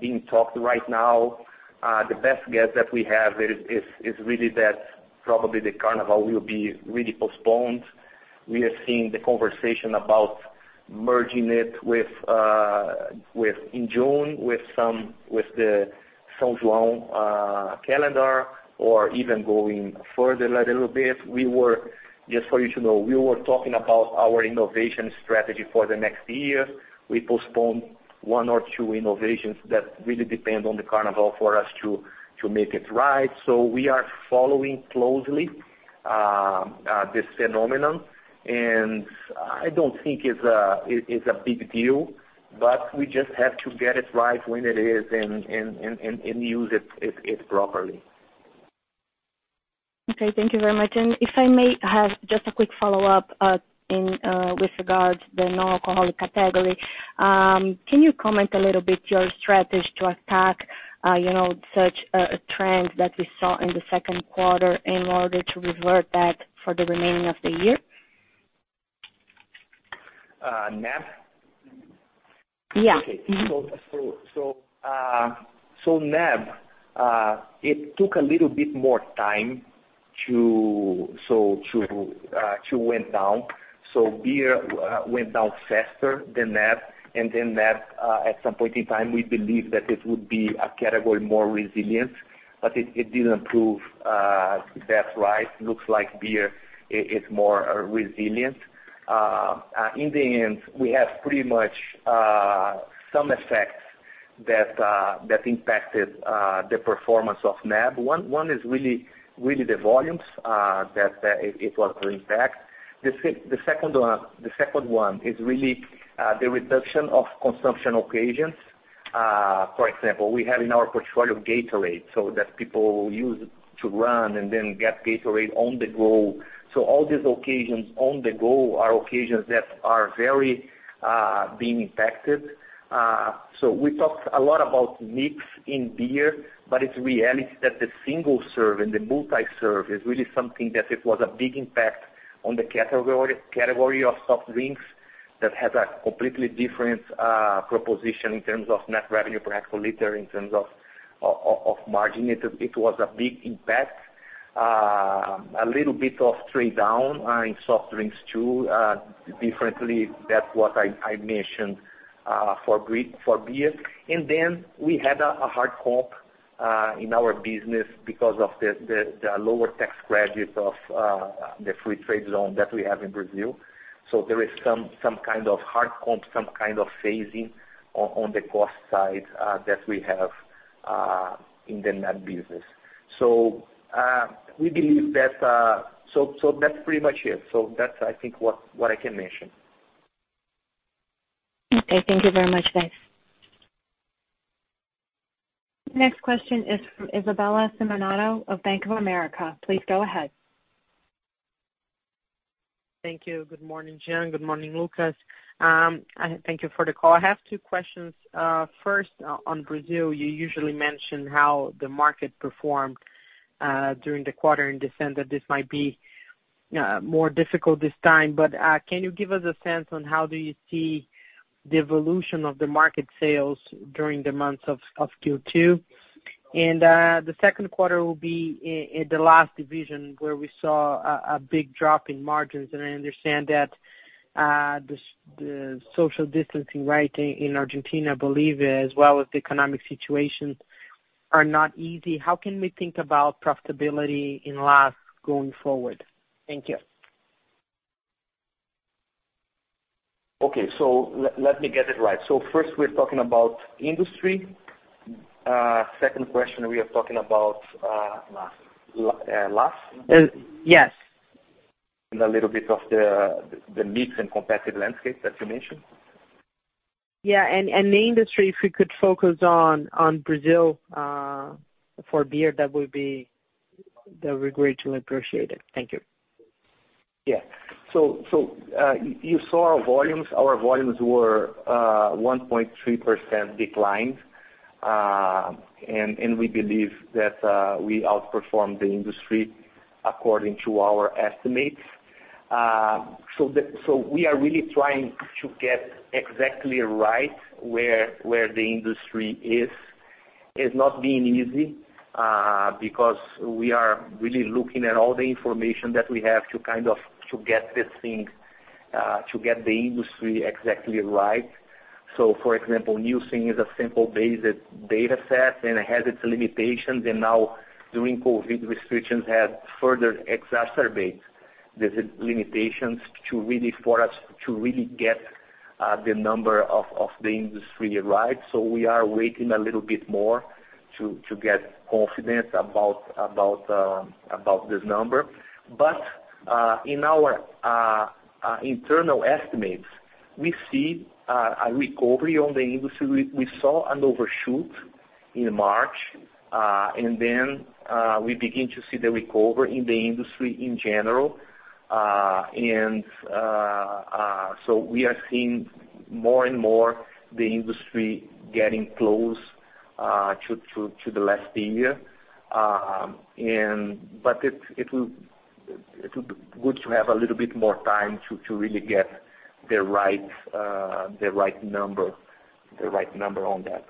being talked right now. The best guess that we have is really that probably the Carnival will be really postponed. We are seeing the conversation about merging it in June with the São João calendar, or even going further a little bit. Just for you to know, we were talking about our innovation strategy for the next year. We postponed one or two innovations that really depend on the Carnival for us to make it right. We are following closely this phenomenon, and I don't think it's a big deal, but we just have to get it right when it is, and use it properly. Okay. Thank you very much. If I may have just a quick follow-up with regards the non-alcoholic category. Can you comment a little bit your strategy to attack such a trend that we saw in the second quarter in order to revert that for the remaining of the year? NAB? Yeah. Mm-hmm. Okay. NAB, it took a little bit more time to went down. Beer went down faster than that. NAB, at some point in time, we believe that it would be a category more resilient, but it didn't prove that right. Looks like beer is more resilient. In the end, we have pretty much some effects that impacted the performance of NAB. One is really the volumes that it was bringing back. The second one is really the reduction of consumption occasions. For example, we have in our portfolio Gatorade, so that people use to run and then get Gatorade on the go. All these occasions on the go are occasions that are very being impacted. We talked a lot about mix in beer, but it's reality that the single serve and the multi-serve is really something that it was a big impact on the category of soft drinks that has a completely different proposition in terms of net revenue per actual liter, in terms of margin. It was a big impact. A little bit of trade down in soft drinks, too, differently that what I mentioned for beer. We had a hard comp in our business because of the lower tax credits of the free trade zone that we have in Brazil. There is some kind of hard comp, some kind of phasing on the cost side that we have in the NAB business. That's pretty much it. That's I think what I can mention. Okay. Thank you very much. Thanks. The next question is from Isabella Simonato of Bank of America. Please go ahead. Thank you. Good morning, Jean. Good morning, Lucas. Thank you for the call. I have two questions. First, on Brazil, you usually mention how the market performed during the quarter in December. This might be more difficult this time. Can you give us a sense on how do you see the evolution of the market sales during the months of Q2? The second quarter will be in the LAS division, where we saw a big drop in margins, and I understand that the social distancing right in Argentina, I believe, as well as the economic situation, are not easy. How can we think about profitability in LAS going forward? Thank you. Okay. Let me get it right. First, we're talking about industry. Second question, we are talking about. LAS LAS? Yes. A little bit of the mix and competitive landscape that you mentioned? Yeah. The industry, if we could focus on Brazil for beer, that would be greatly appreciated. Thank you. Yeah. You saw our volumes. Our volumes were 1.3% decline. We believe that we outperformed the industry according to our estimates. We are really trying to get exactly right where the industry is. It's not been easy, because we are really looking at all the information that we have to get the industry exactly right. For example, Nielsen is a simple basic data set, and it has its limitations. Now during COVID, restrictions have further exacerbated the limitations for us to really get the number of the industry right. We are waiting a little bit more to get confident about this number. In our internal estimates, we see a recovery on the industry. We saw an overshoot in March, and then we begin to see the recovery in the industry in general. We are seeing more and more the industry getting close to the last year. It will be good to have a little bit more time to really get the right number on that.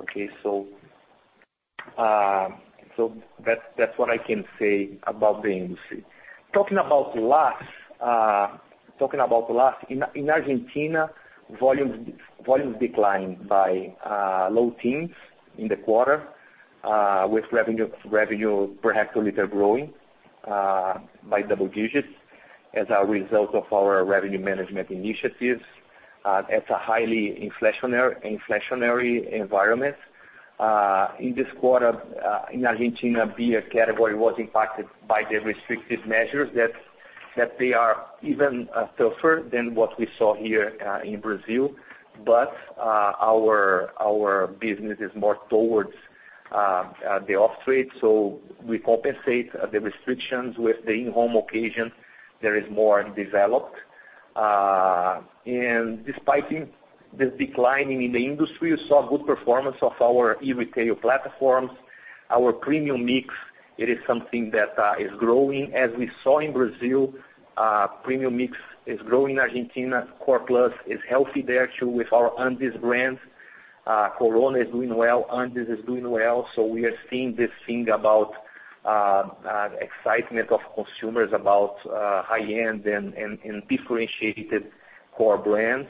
That is what I can say about the industry. Talking about LAS, in Argentina, volumes declined by low teens in the quarter with revenue per hectoliter growing by double digits as a result of our revenue management initiatives. It's a highly inflationary environment. In this quarter in Argentina, beer category was impacted by the restrictive measures that they are even tougher than what we saw here in Brazil. Our business is more towards the off-trade, so we compensate the restrictions with the in-home occasion that is more undeveloped. Despite the declining in the industry, we saw good performance of our e-retail platforms. Our premium mix, it is something that is growing. As we saw in Brazil, premium mix is growing Argentina. Core plus is healthy there, too, with our Andes brands. Corona is doing well, Andes is doing well. We are seeing this thing about excitement of consumers about high-end and differentiated core brands,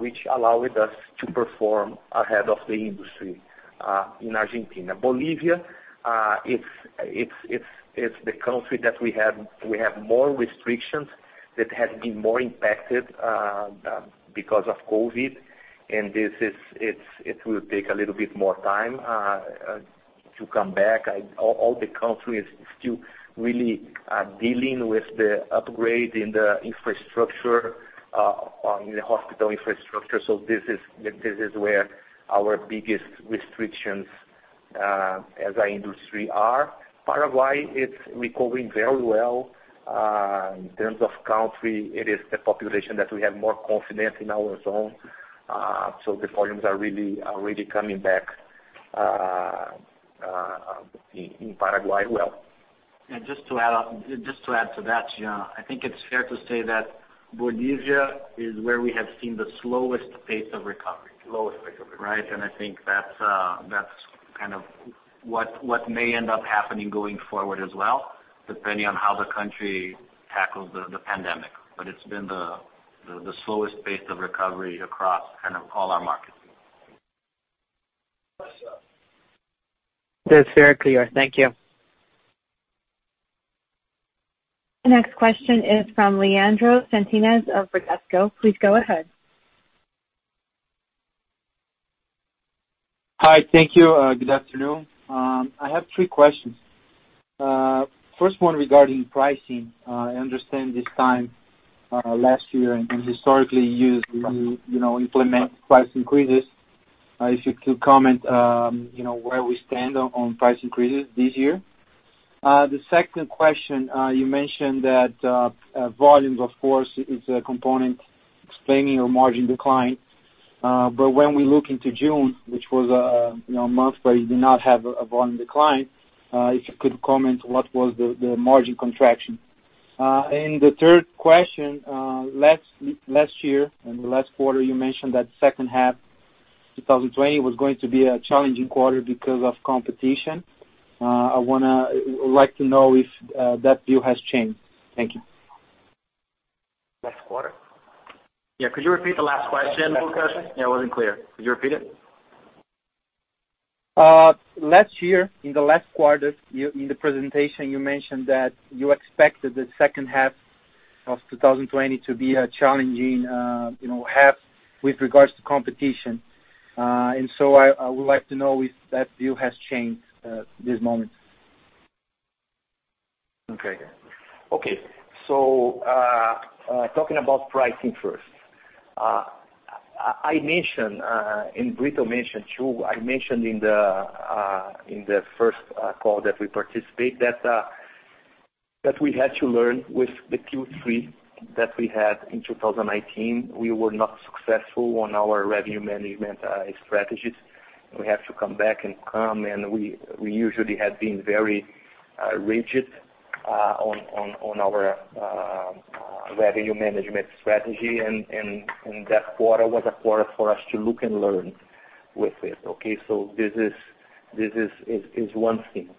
which allowed us to perform ahead of the industry in Argentina. Bolivia, it's the country that we have more restrictions, that has been more impacted because of COVID. It will take a little bit more time to come back. All the country is still really dealing with the upgrade in the infrastructure, in the hospital infrastructure. This is where our biggest restrictions as a industry are. Paraguay is recovering very well. In terms of country, it is the population that we have more confidence in our zone. The volumes are really coming back in Paraguay well. Just to add to that, Gian, I think it's fair to say that Bolivia is where we have seen the slowest pace of recovery. Slowest pace of recovery. Right. I think that's kind of what may end up happening going forward as well, depending on how the country tackles the pandemic. It's been the slowest pace of recovery across all our markets. That's very clear. Thank you. The next question is from Leandro Fontanesi of Bradesco. Please go ahead. Hi. Thank you. Good afternoon. I have three questions. First one regarding pricing. I understand this time last year and historically you implement price increases. If you could comment, where we stand on price increases this year. The second question, you mentioned that volumes, of course, is a component explaining your margin decline. When we look into June, which was a month where you did not have a volume decline, if you could comment, what was the margin contraction? The third question, last year, in the last quarter, you mentioned that second half 2020 was going to be a challenging quarter because of competition. I want to like to know if that view has changed. Thank you. Last quarter? Could you repeat the last question, Lucas? It wasn't clear. Could you repeat it? Last year, in the last quarter, in the presentation, you mentioned that you expected the second half of 2020 to be a challenging half with regards to competition. I would like to know if that view has changed this moment. Okay. Talking about pricing first. I mentioned, and Brito mentioned, too, I mentioned in the first call that we participate that we had to learn with the Q3 that we had in 2019. We were not successful on our revenue management strategies. We have to come back and come, we usually had been very rigid on our revenue management strategy, that quarter was a quarter for us to look and learn with it. Okay. This is one thing.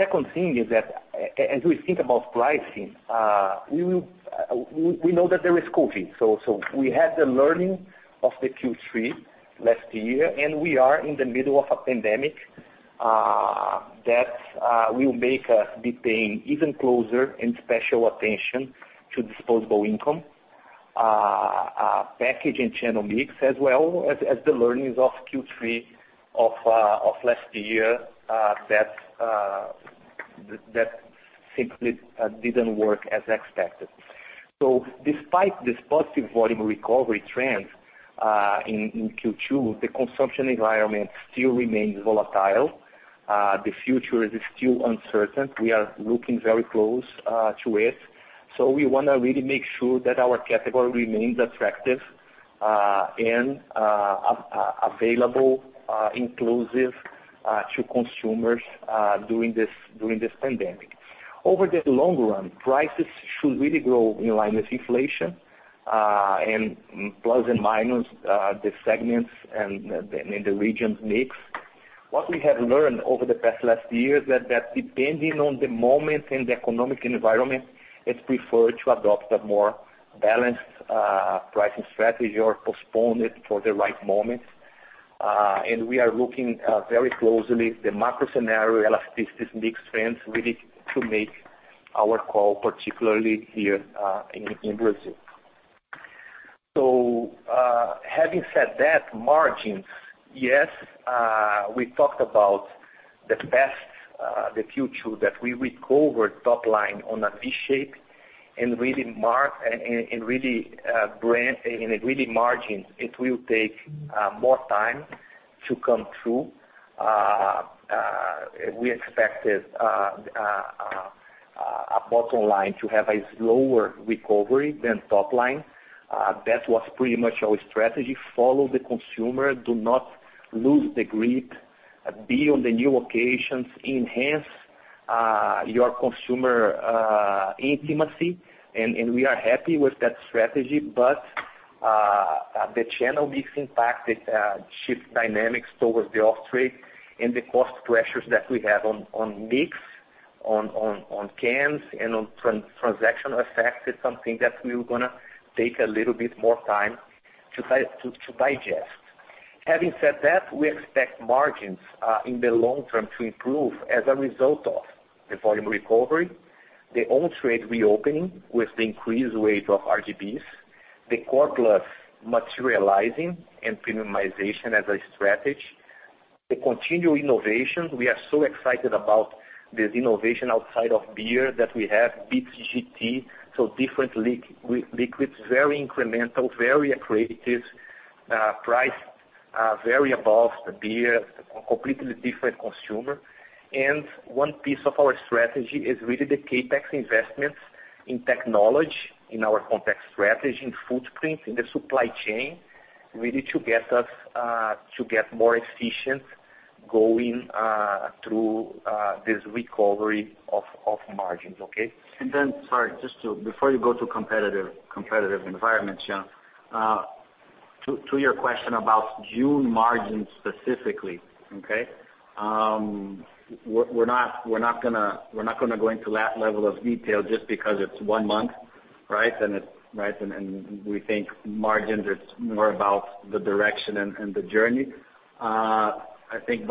Second thing is that as we think about pricing, we know that there is COVID-19. We had the learning of the Q3 last year, we are in the middle of a pandemic that will make us be paying even closer and special attention to disposable income. Package and channel mix as well as the learnings of Q3 of last year that simply didn't work as expected. Despite this positive volume recovery trend in Q2, the consumption environment still remains volatile. The future is still uncertain. We are looking very close to it. We want to really make sure that our category remains attractive and available, inclusive to consumers during this pandemic. Over the long run, prices should really grow in line with inflation, and plus and minus the segments and the regions mix. What we have learned over the past last year, that depending on the moment and the economic environment, it's preferred to adopt a more balanced pricing strategy or postpone it for the right moment. We are looking very closely the macro scenario elasticities mix trends really to make our call, particularly here in Brazil. Having said that, margins, yes, we talked about the past, the Q2 that we recover top line on a V shape and really margins, it will take more time to come through. We expected a bottom line to have a slower recovery than top line. That was pretty much our strategy. Follow the consumer. Do not lose the grip. Be on the new occasions. Enhance your consumer intimacy, and we are happy with that strategy. The channel mix impacted shift dynamics towards the off-trade and the cost pressures that we have on mix, on cans, and on transaction affected something that we're going to take a little bit more time to digest. Having said that, we expect margins in the long term to improve as a result of the volume recovery, the old trade reopening with the increased weight of RGBs, the core plus materializing and premiumization as a strategy. The continued innovation, we are so excited about this innovation outside of beer that we have, BTGT. Different liquids, very incremental, very accretive, priced very above the beer, completely different consumer. One piece of our strategy is really the CapEx investments in technology, in our complex strategy, in footprint, in the supply chain, really to get us to get more efficient going through this recovery of margins. Okay? Sorry, just before you go to competitive environment, Jean. To your question about June margins specifically, okay? We're not going to go into that level of detail just because it's one month, right? We think margins are more about the direction and the journey. I think,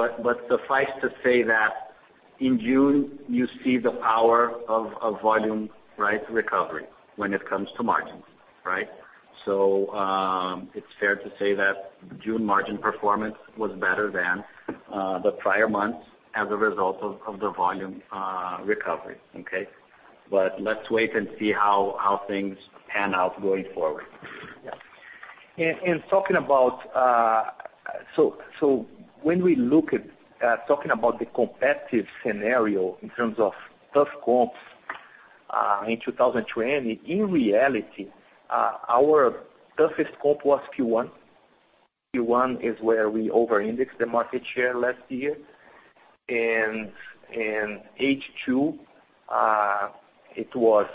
suffice to say that in June, you see the power of volume recovery when it comes to margins. Right? It's fair to say that June margin performance was better than the prior months as a result of the volume recovery. Okay. Let's wait and see how things pan out going forward. Yeah. Talking about the competitive scenario in terms of tough comps, in 2020, in reality, our toughest comp was Q1. Q1 is where we over-indexed the market share last year. In H2, it was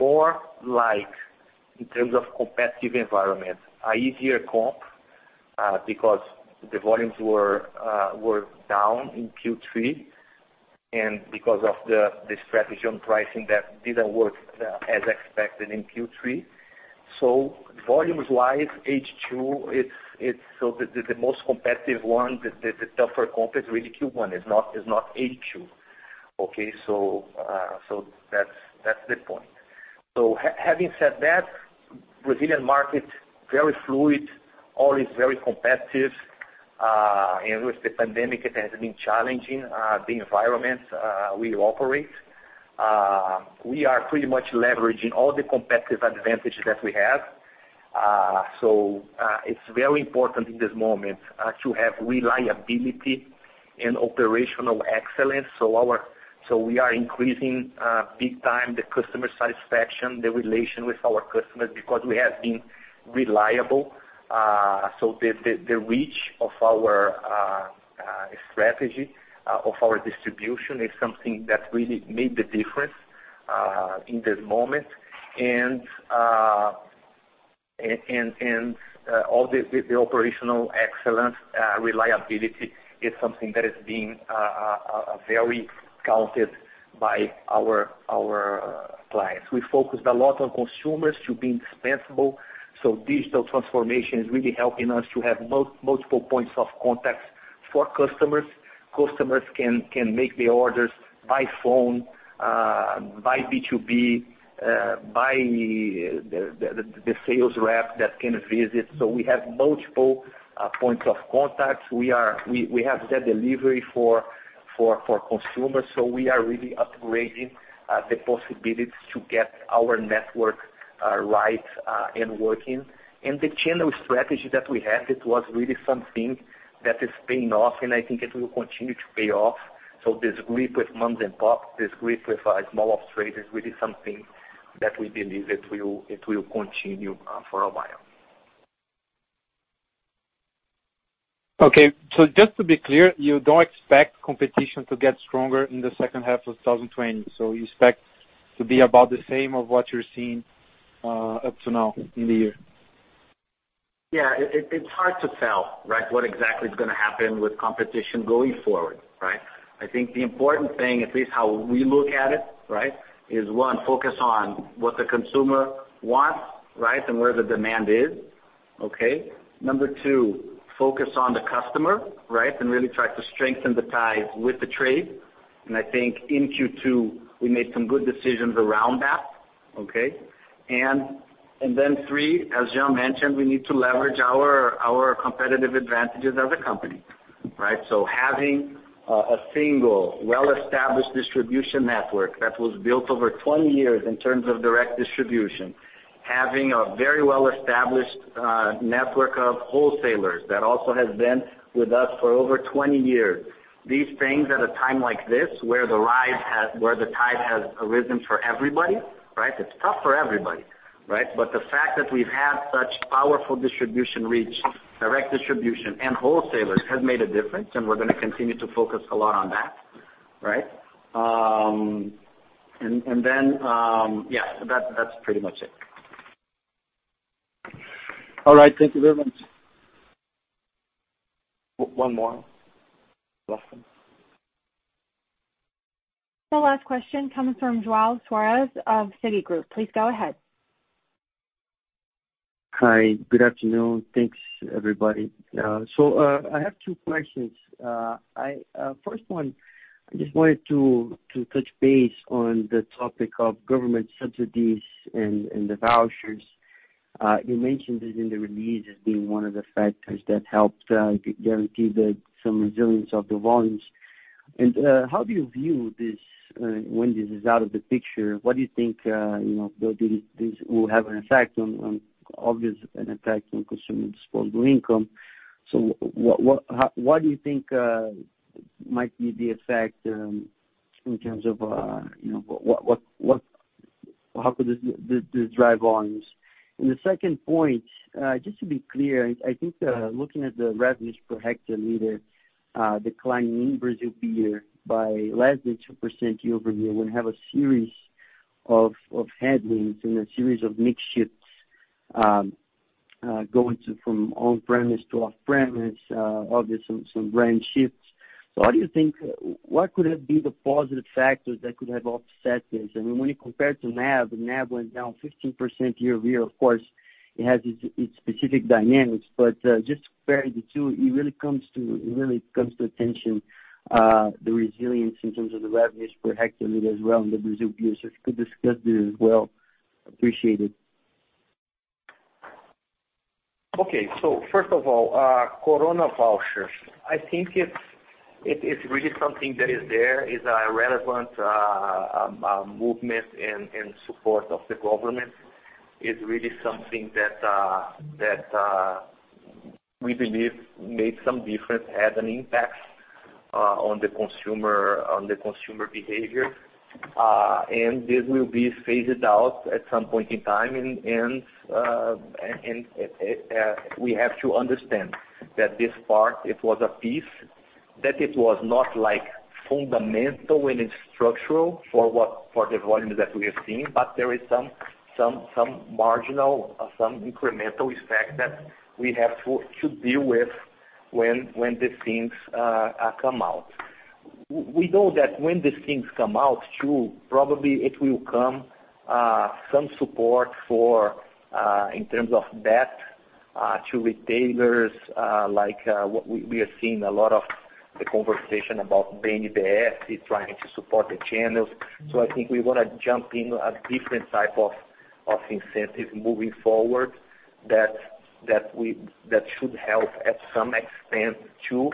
more like, in terms of competitive environment, a easier comp, because the volumes were down in Q3, and because of the strategy on pricing that didn't work as expected in Q3. Volumes wise, H2, the most competitive one, the tougher comp is really Q1, is not H2. Okay, that's the point. Having said that, Brazilian market, very fluid, always very competitive. With the pandemic, it has been challenging, the environment we operate. We are pretty much leveraging all the competitive advantages that we have. It's very important in this moment to have reliability and operational excellence. We are increasing big time the customer satisfaction, the relation with our customers, because we have been reliable. The reach of our strategy, of our distribution is something that really made the difference in this moment. All the operational excellence, reliability is something that is being very counted by our clients. We focused a lot on consumers to be indispensable. Digital transformation is really helping us to have multiple points of contacts for customers. Customers can make the orders by phone, by B2B, by the sales rep that can visit. We have multiple points of contacts. We have the delivery for consumers. We are really upgrading the possibilities to get our network right and working. The channel strategy that we had, it was really something that is paying off, and I think it will continue to pay off. This grip with moms and pops, this grip with small operators, really something that we believe it will continue for a while. Okay. Just to be clear, you don't expect competition to get stronger in the second half of 2020. You expect to be about the same of what you're seeing up to now in the year. Yeah. It is hard to tell what exactly is going to happen with competition going forward, right? I think the important thing, at least how we look at it is, one, focus on what the consumer wants and where the demand is. Okay? Number 2, focus on the customer. Really try to strengthen the ties with the trade. I think in Q2, we made some good decisions around that. Okay? Three, as Jean mentioned, we need to leverage our competitive advantages as a company. Having a single well-established distribution network that was built over 20 years in terms of direct distribution. Having a very well-established network of wholesalers that also has been with us for over 20 years. These things at a time like this, where the tide has risen for everybody. It is tough for everybody. The fact that we've had such powerful distribution reach, direct distribution and wholesalers, has made a difference, and we're going to continue to focus a lot on that. Yeah, that's pretty much it. All right. Thank you very much. One more. Last one. The last question comes from João Soares of Citigroup. Please go ahead. Hi. Good afternoon. Thanks, everybody. I have two questions. First one, I just wanted to touch base on the topic of government subsidies and the vouchers. You mentioned it in the release as being one of the factors that helped guarantee some resilience of the volumes. How do you view this when this is out of the picture? What do you think this will have an effect on, obviously an effect on consumer disposable income. What do you think might be the effect in terms of how could this drive volumes? The second point, just to be clear, I think looking at the revenues per hectoliter declining in Brazil beer by less than 2% year-over-year, when you have a series of headwinds and a series of mix shifts, going from on-premise to off-premise, obviously some brand shifts. How do you think, what could have been the positive factors that could have offset this? When you compare it to NAB went down 15% year-over-year. Of course, it has its specific dynamics, but just comparing the two, it really comes to attention the resilience in terms of the revenues per hectoliter as well in the Brazil Beer. If you could discuss this as well, appreciated. First of all, Corona vouchers. I think it's really something that is there. It's a relevant movement and support of the government. It's really something that we believe made some difference, had an impact on the consumer behavior. This will be phased out at some point in time, and we have to understand that this part, it was a piece, that it was not fundamental and structural for the volume that we have seen, but there is some marginal, some incremental effect that we have to deal with when these things come out. We know that when these things come out too, probably it will come some support in terms of debt to retailers, like what we are seeing a lot of the conversation about trying to support the channels. I think we want to jump in a different type of incentive moving forward that should help at some extent, too.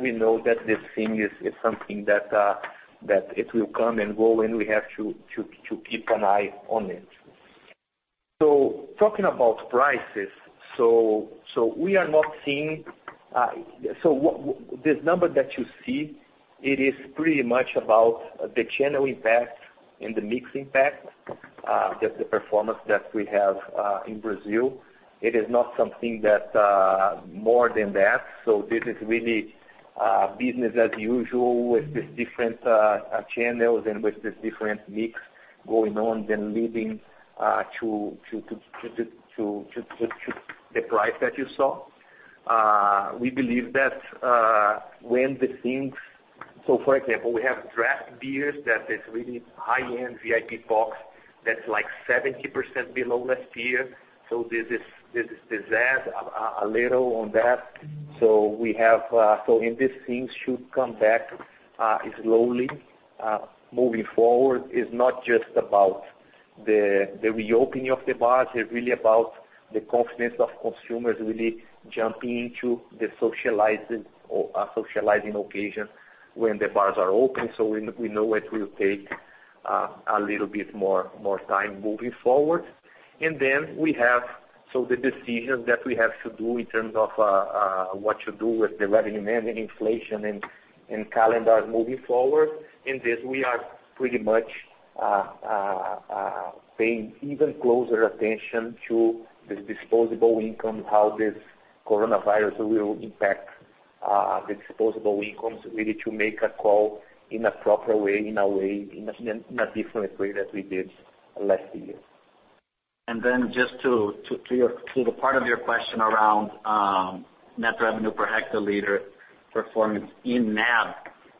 We know that this thing is something that it will come and go, and we have to keep an eye on it. Talking about prices. This number that you see, it is pretty much about the channel impact and the mix impact, just the performance that we have in Brazil. It is not something that more than that. This is really business as usual with these different channels and with this different mix going on, leading to the price that you saw. For example, we have draft beers that is really high-end VIP packs that's 70% below last year. This is a little on that. When these things should come back slowly, moving forward, it's not just about the reopening of the bars, it's really about the confidence of consumers really jumping into the socializing occasion when the bars are open. We know it will take a little bit more time moving forward. The decision that we have to do in terms of what to do with the revenue management inflation and calendar moving forward. In this, we are pretty much paying even closer attention to this disposable income, how this coronavirus will impact the disposable incomes, really to make a call in a proper way, in a different way that we did last year. Just to the part of your question around net revenue per hectoliter performance in NAB,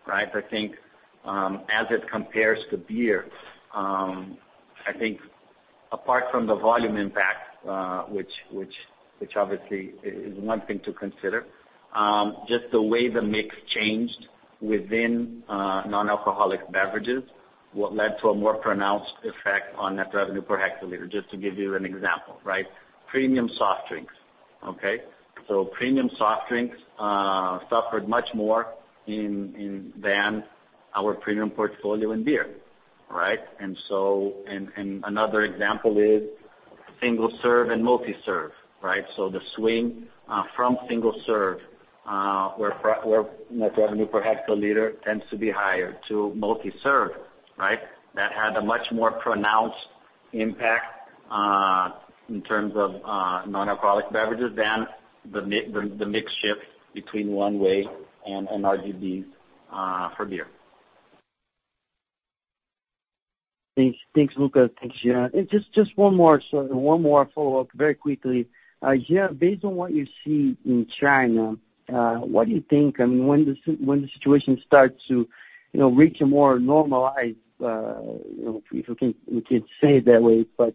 I think as it compares to beer. I think apart from the volume impact, which obviously is one thing to consider, just the way the mix changed within non-alcoholic beverages, what led to a more pronounced effect on net revenue per hectoliter, just to give you an example. Premium soft drinks. Premium soft drinks suffered much more than our premium portfolio in beer. Another example is single-serve and multi-serve. The swing from single-serve, where net revenue per hectoliter tends to be higher to multi-serve. That had a much more pronounced impact in terms of non-alcoholic beverages than the mix shift between one way and RGBs for beer. Thanks, Lucas. Thanks, Jean. Just one more follow-up very quickly. Gian, based on what you see in China, what do you think, when the situation starts to reach a more normalized, if you can say it that way, but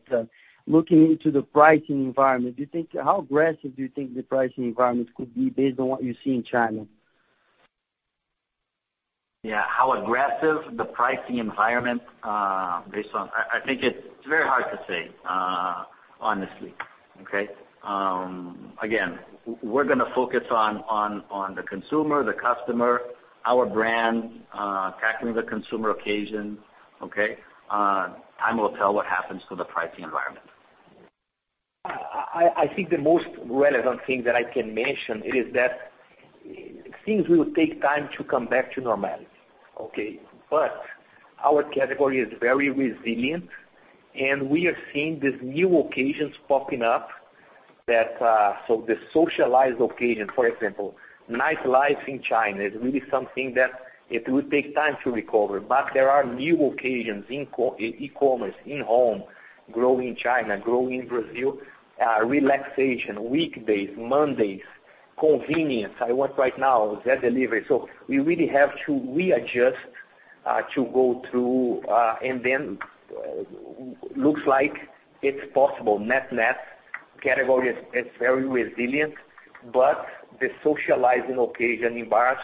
looking into the pricing environment, how aggressive do you think the pricing environment could be based on what you see in China? How aggressive the pricing environment base on, I think it's very hard to say, honestly. Again, we're going to focus on the consumer, the customer, our brand, capturing the consumer occasion. Time will tell what happens to the pricing environment. I see the most, one thing I can mention is that things will take time to come back to normal. Our category is very resilient, and we are seeing these new occasions popping up. The socialized occasion, for example, nightlife in China is really something that it will take time to recover. There are new occasions in e-commerce, in home, grow in China, grow in Brazil, relaxation, weekdays, Mondays, convenience. I want right now, that delivery. We really have to readjust to go through, and then looks like it's possible. Net category is very resilient, but the socializing occasion in bars,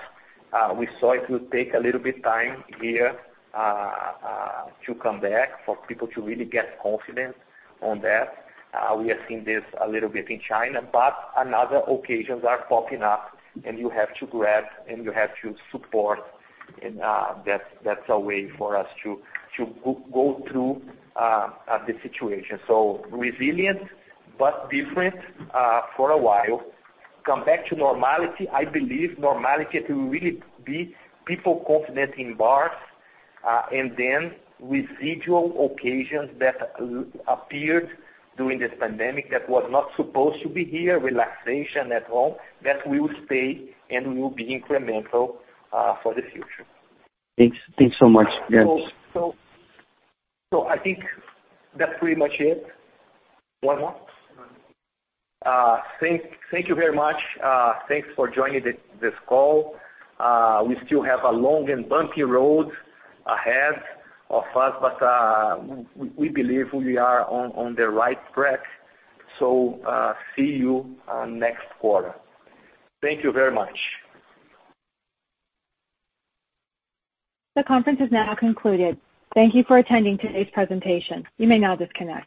we saw it will take a little bit time here to come back for people to really get confident on that. We are seeing this a little bit in China. Other occasions are popping up, you have to grab and you have to support, that's a way for us to go through the situation. Resilient but different for a while. Come back to normality. I believe normality to really be people confident in bars, residual occasions that appeared during this pandemic that was not supposed to be here, relaxation at home, that will stay and will be incremental for the future. Thanks so much, guys. I think that's pretty much it. One more? No. Thank you very much. Thanks for joining this call. We still have a long and bumpy road ahead of us, but we believe we are on the right track. See you next quarter. Thank you very much. The conference is now concluded. Thank you for attending today's presentation. You may now disconnect.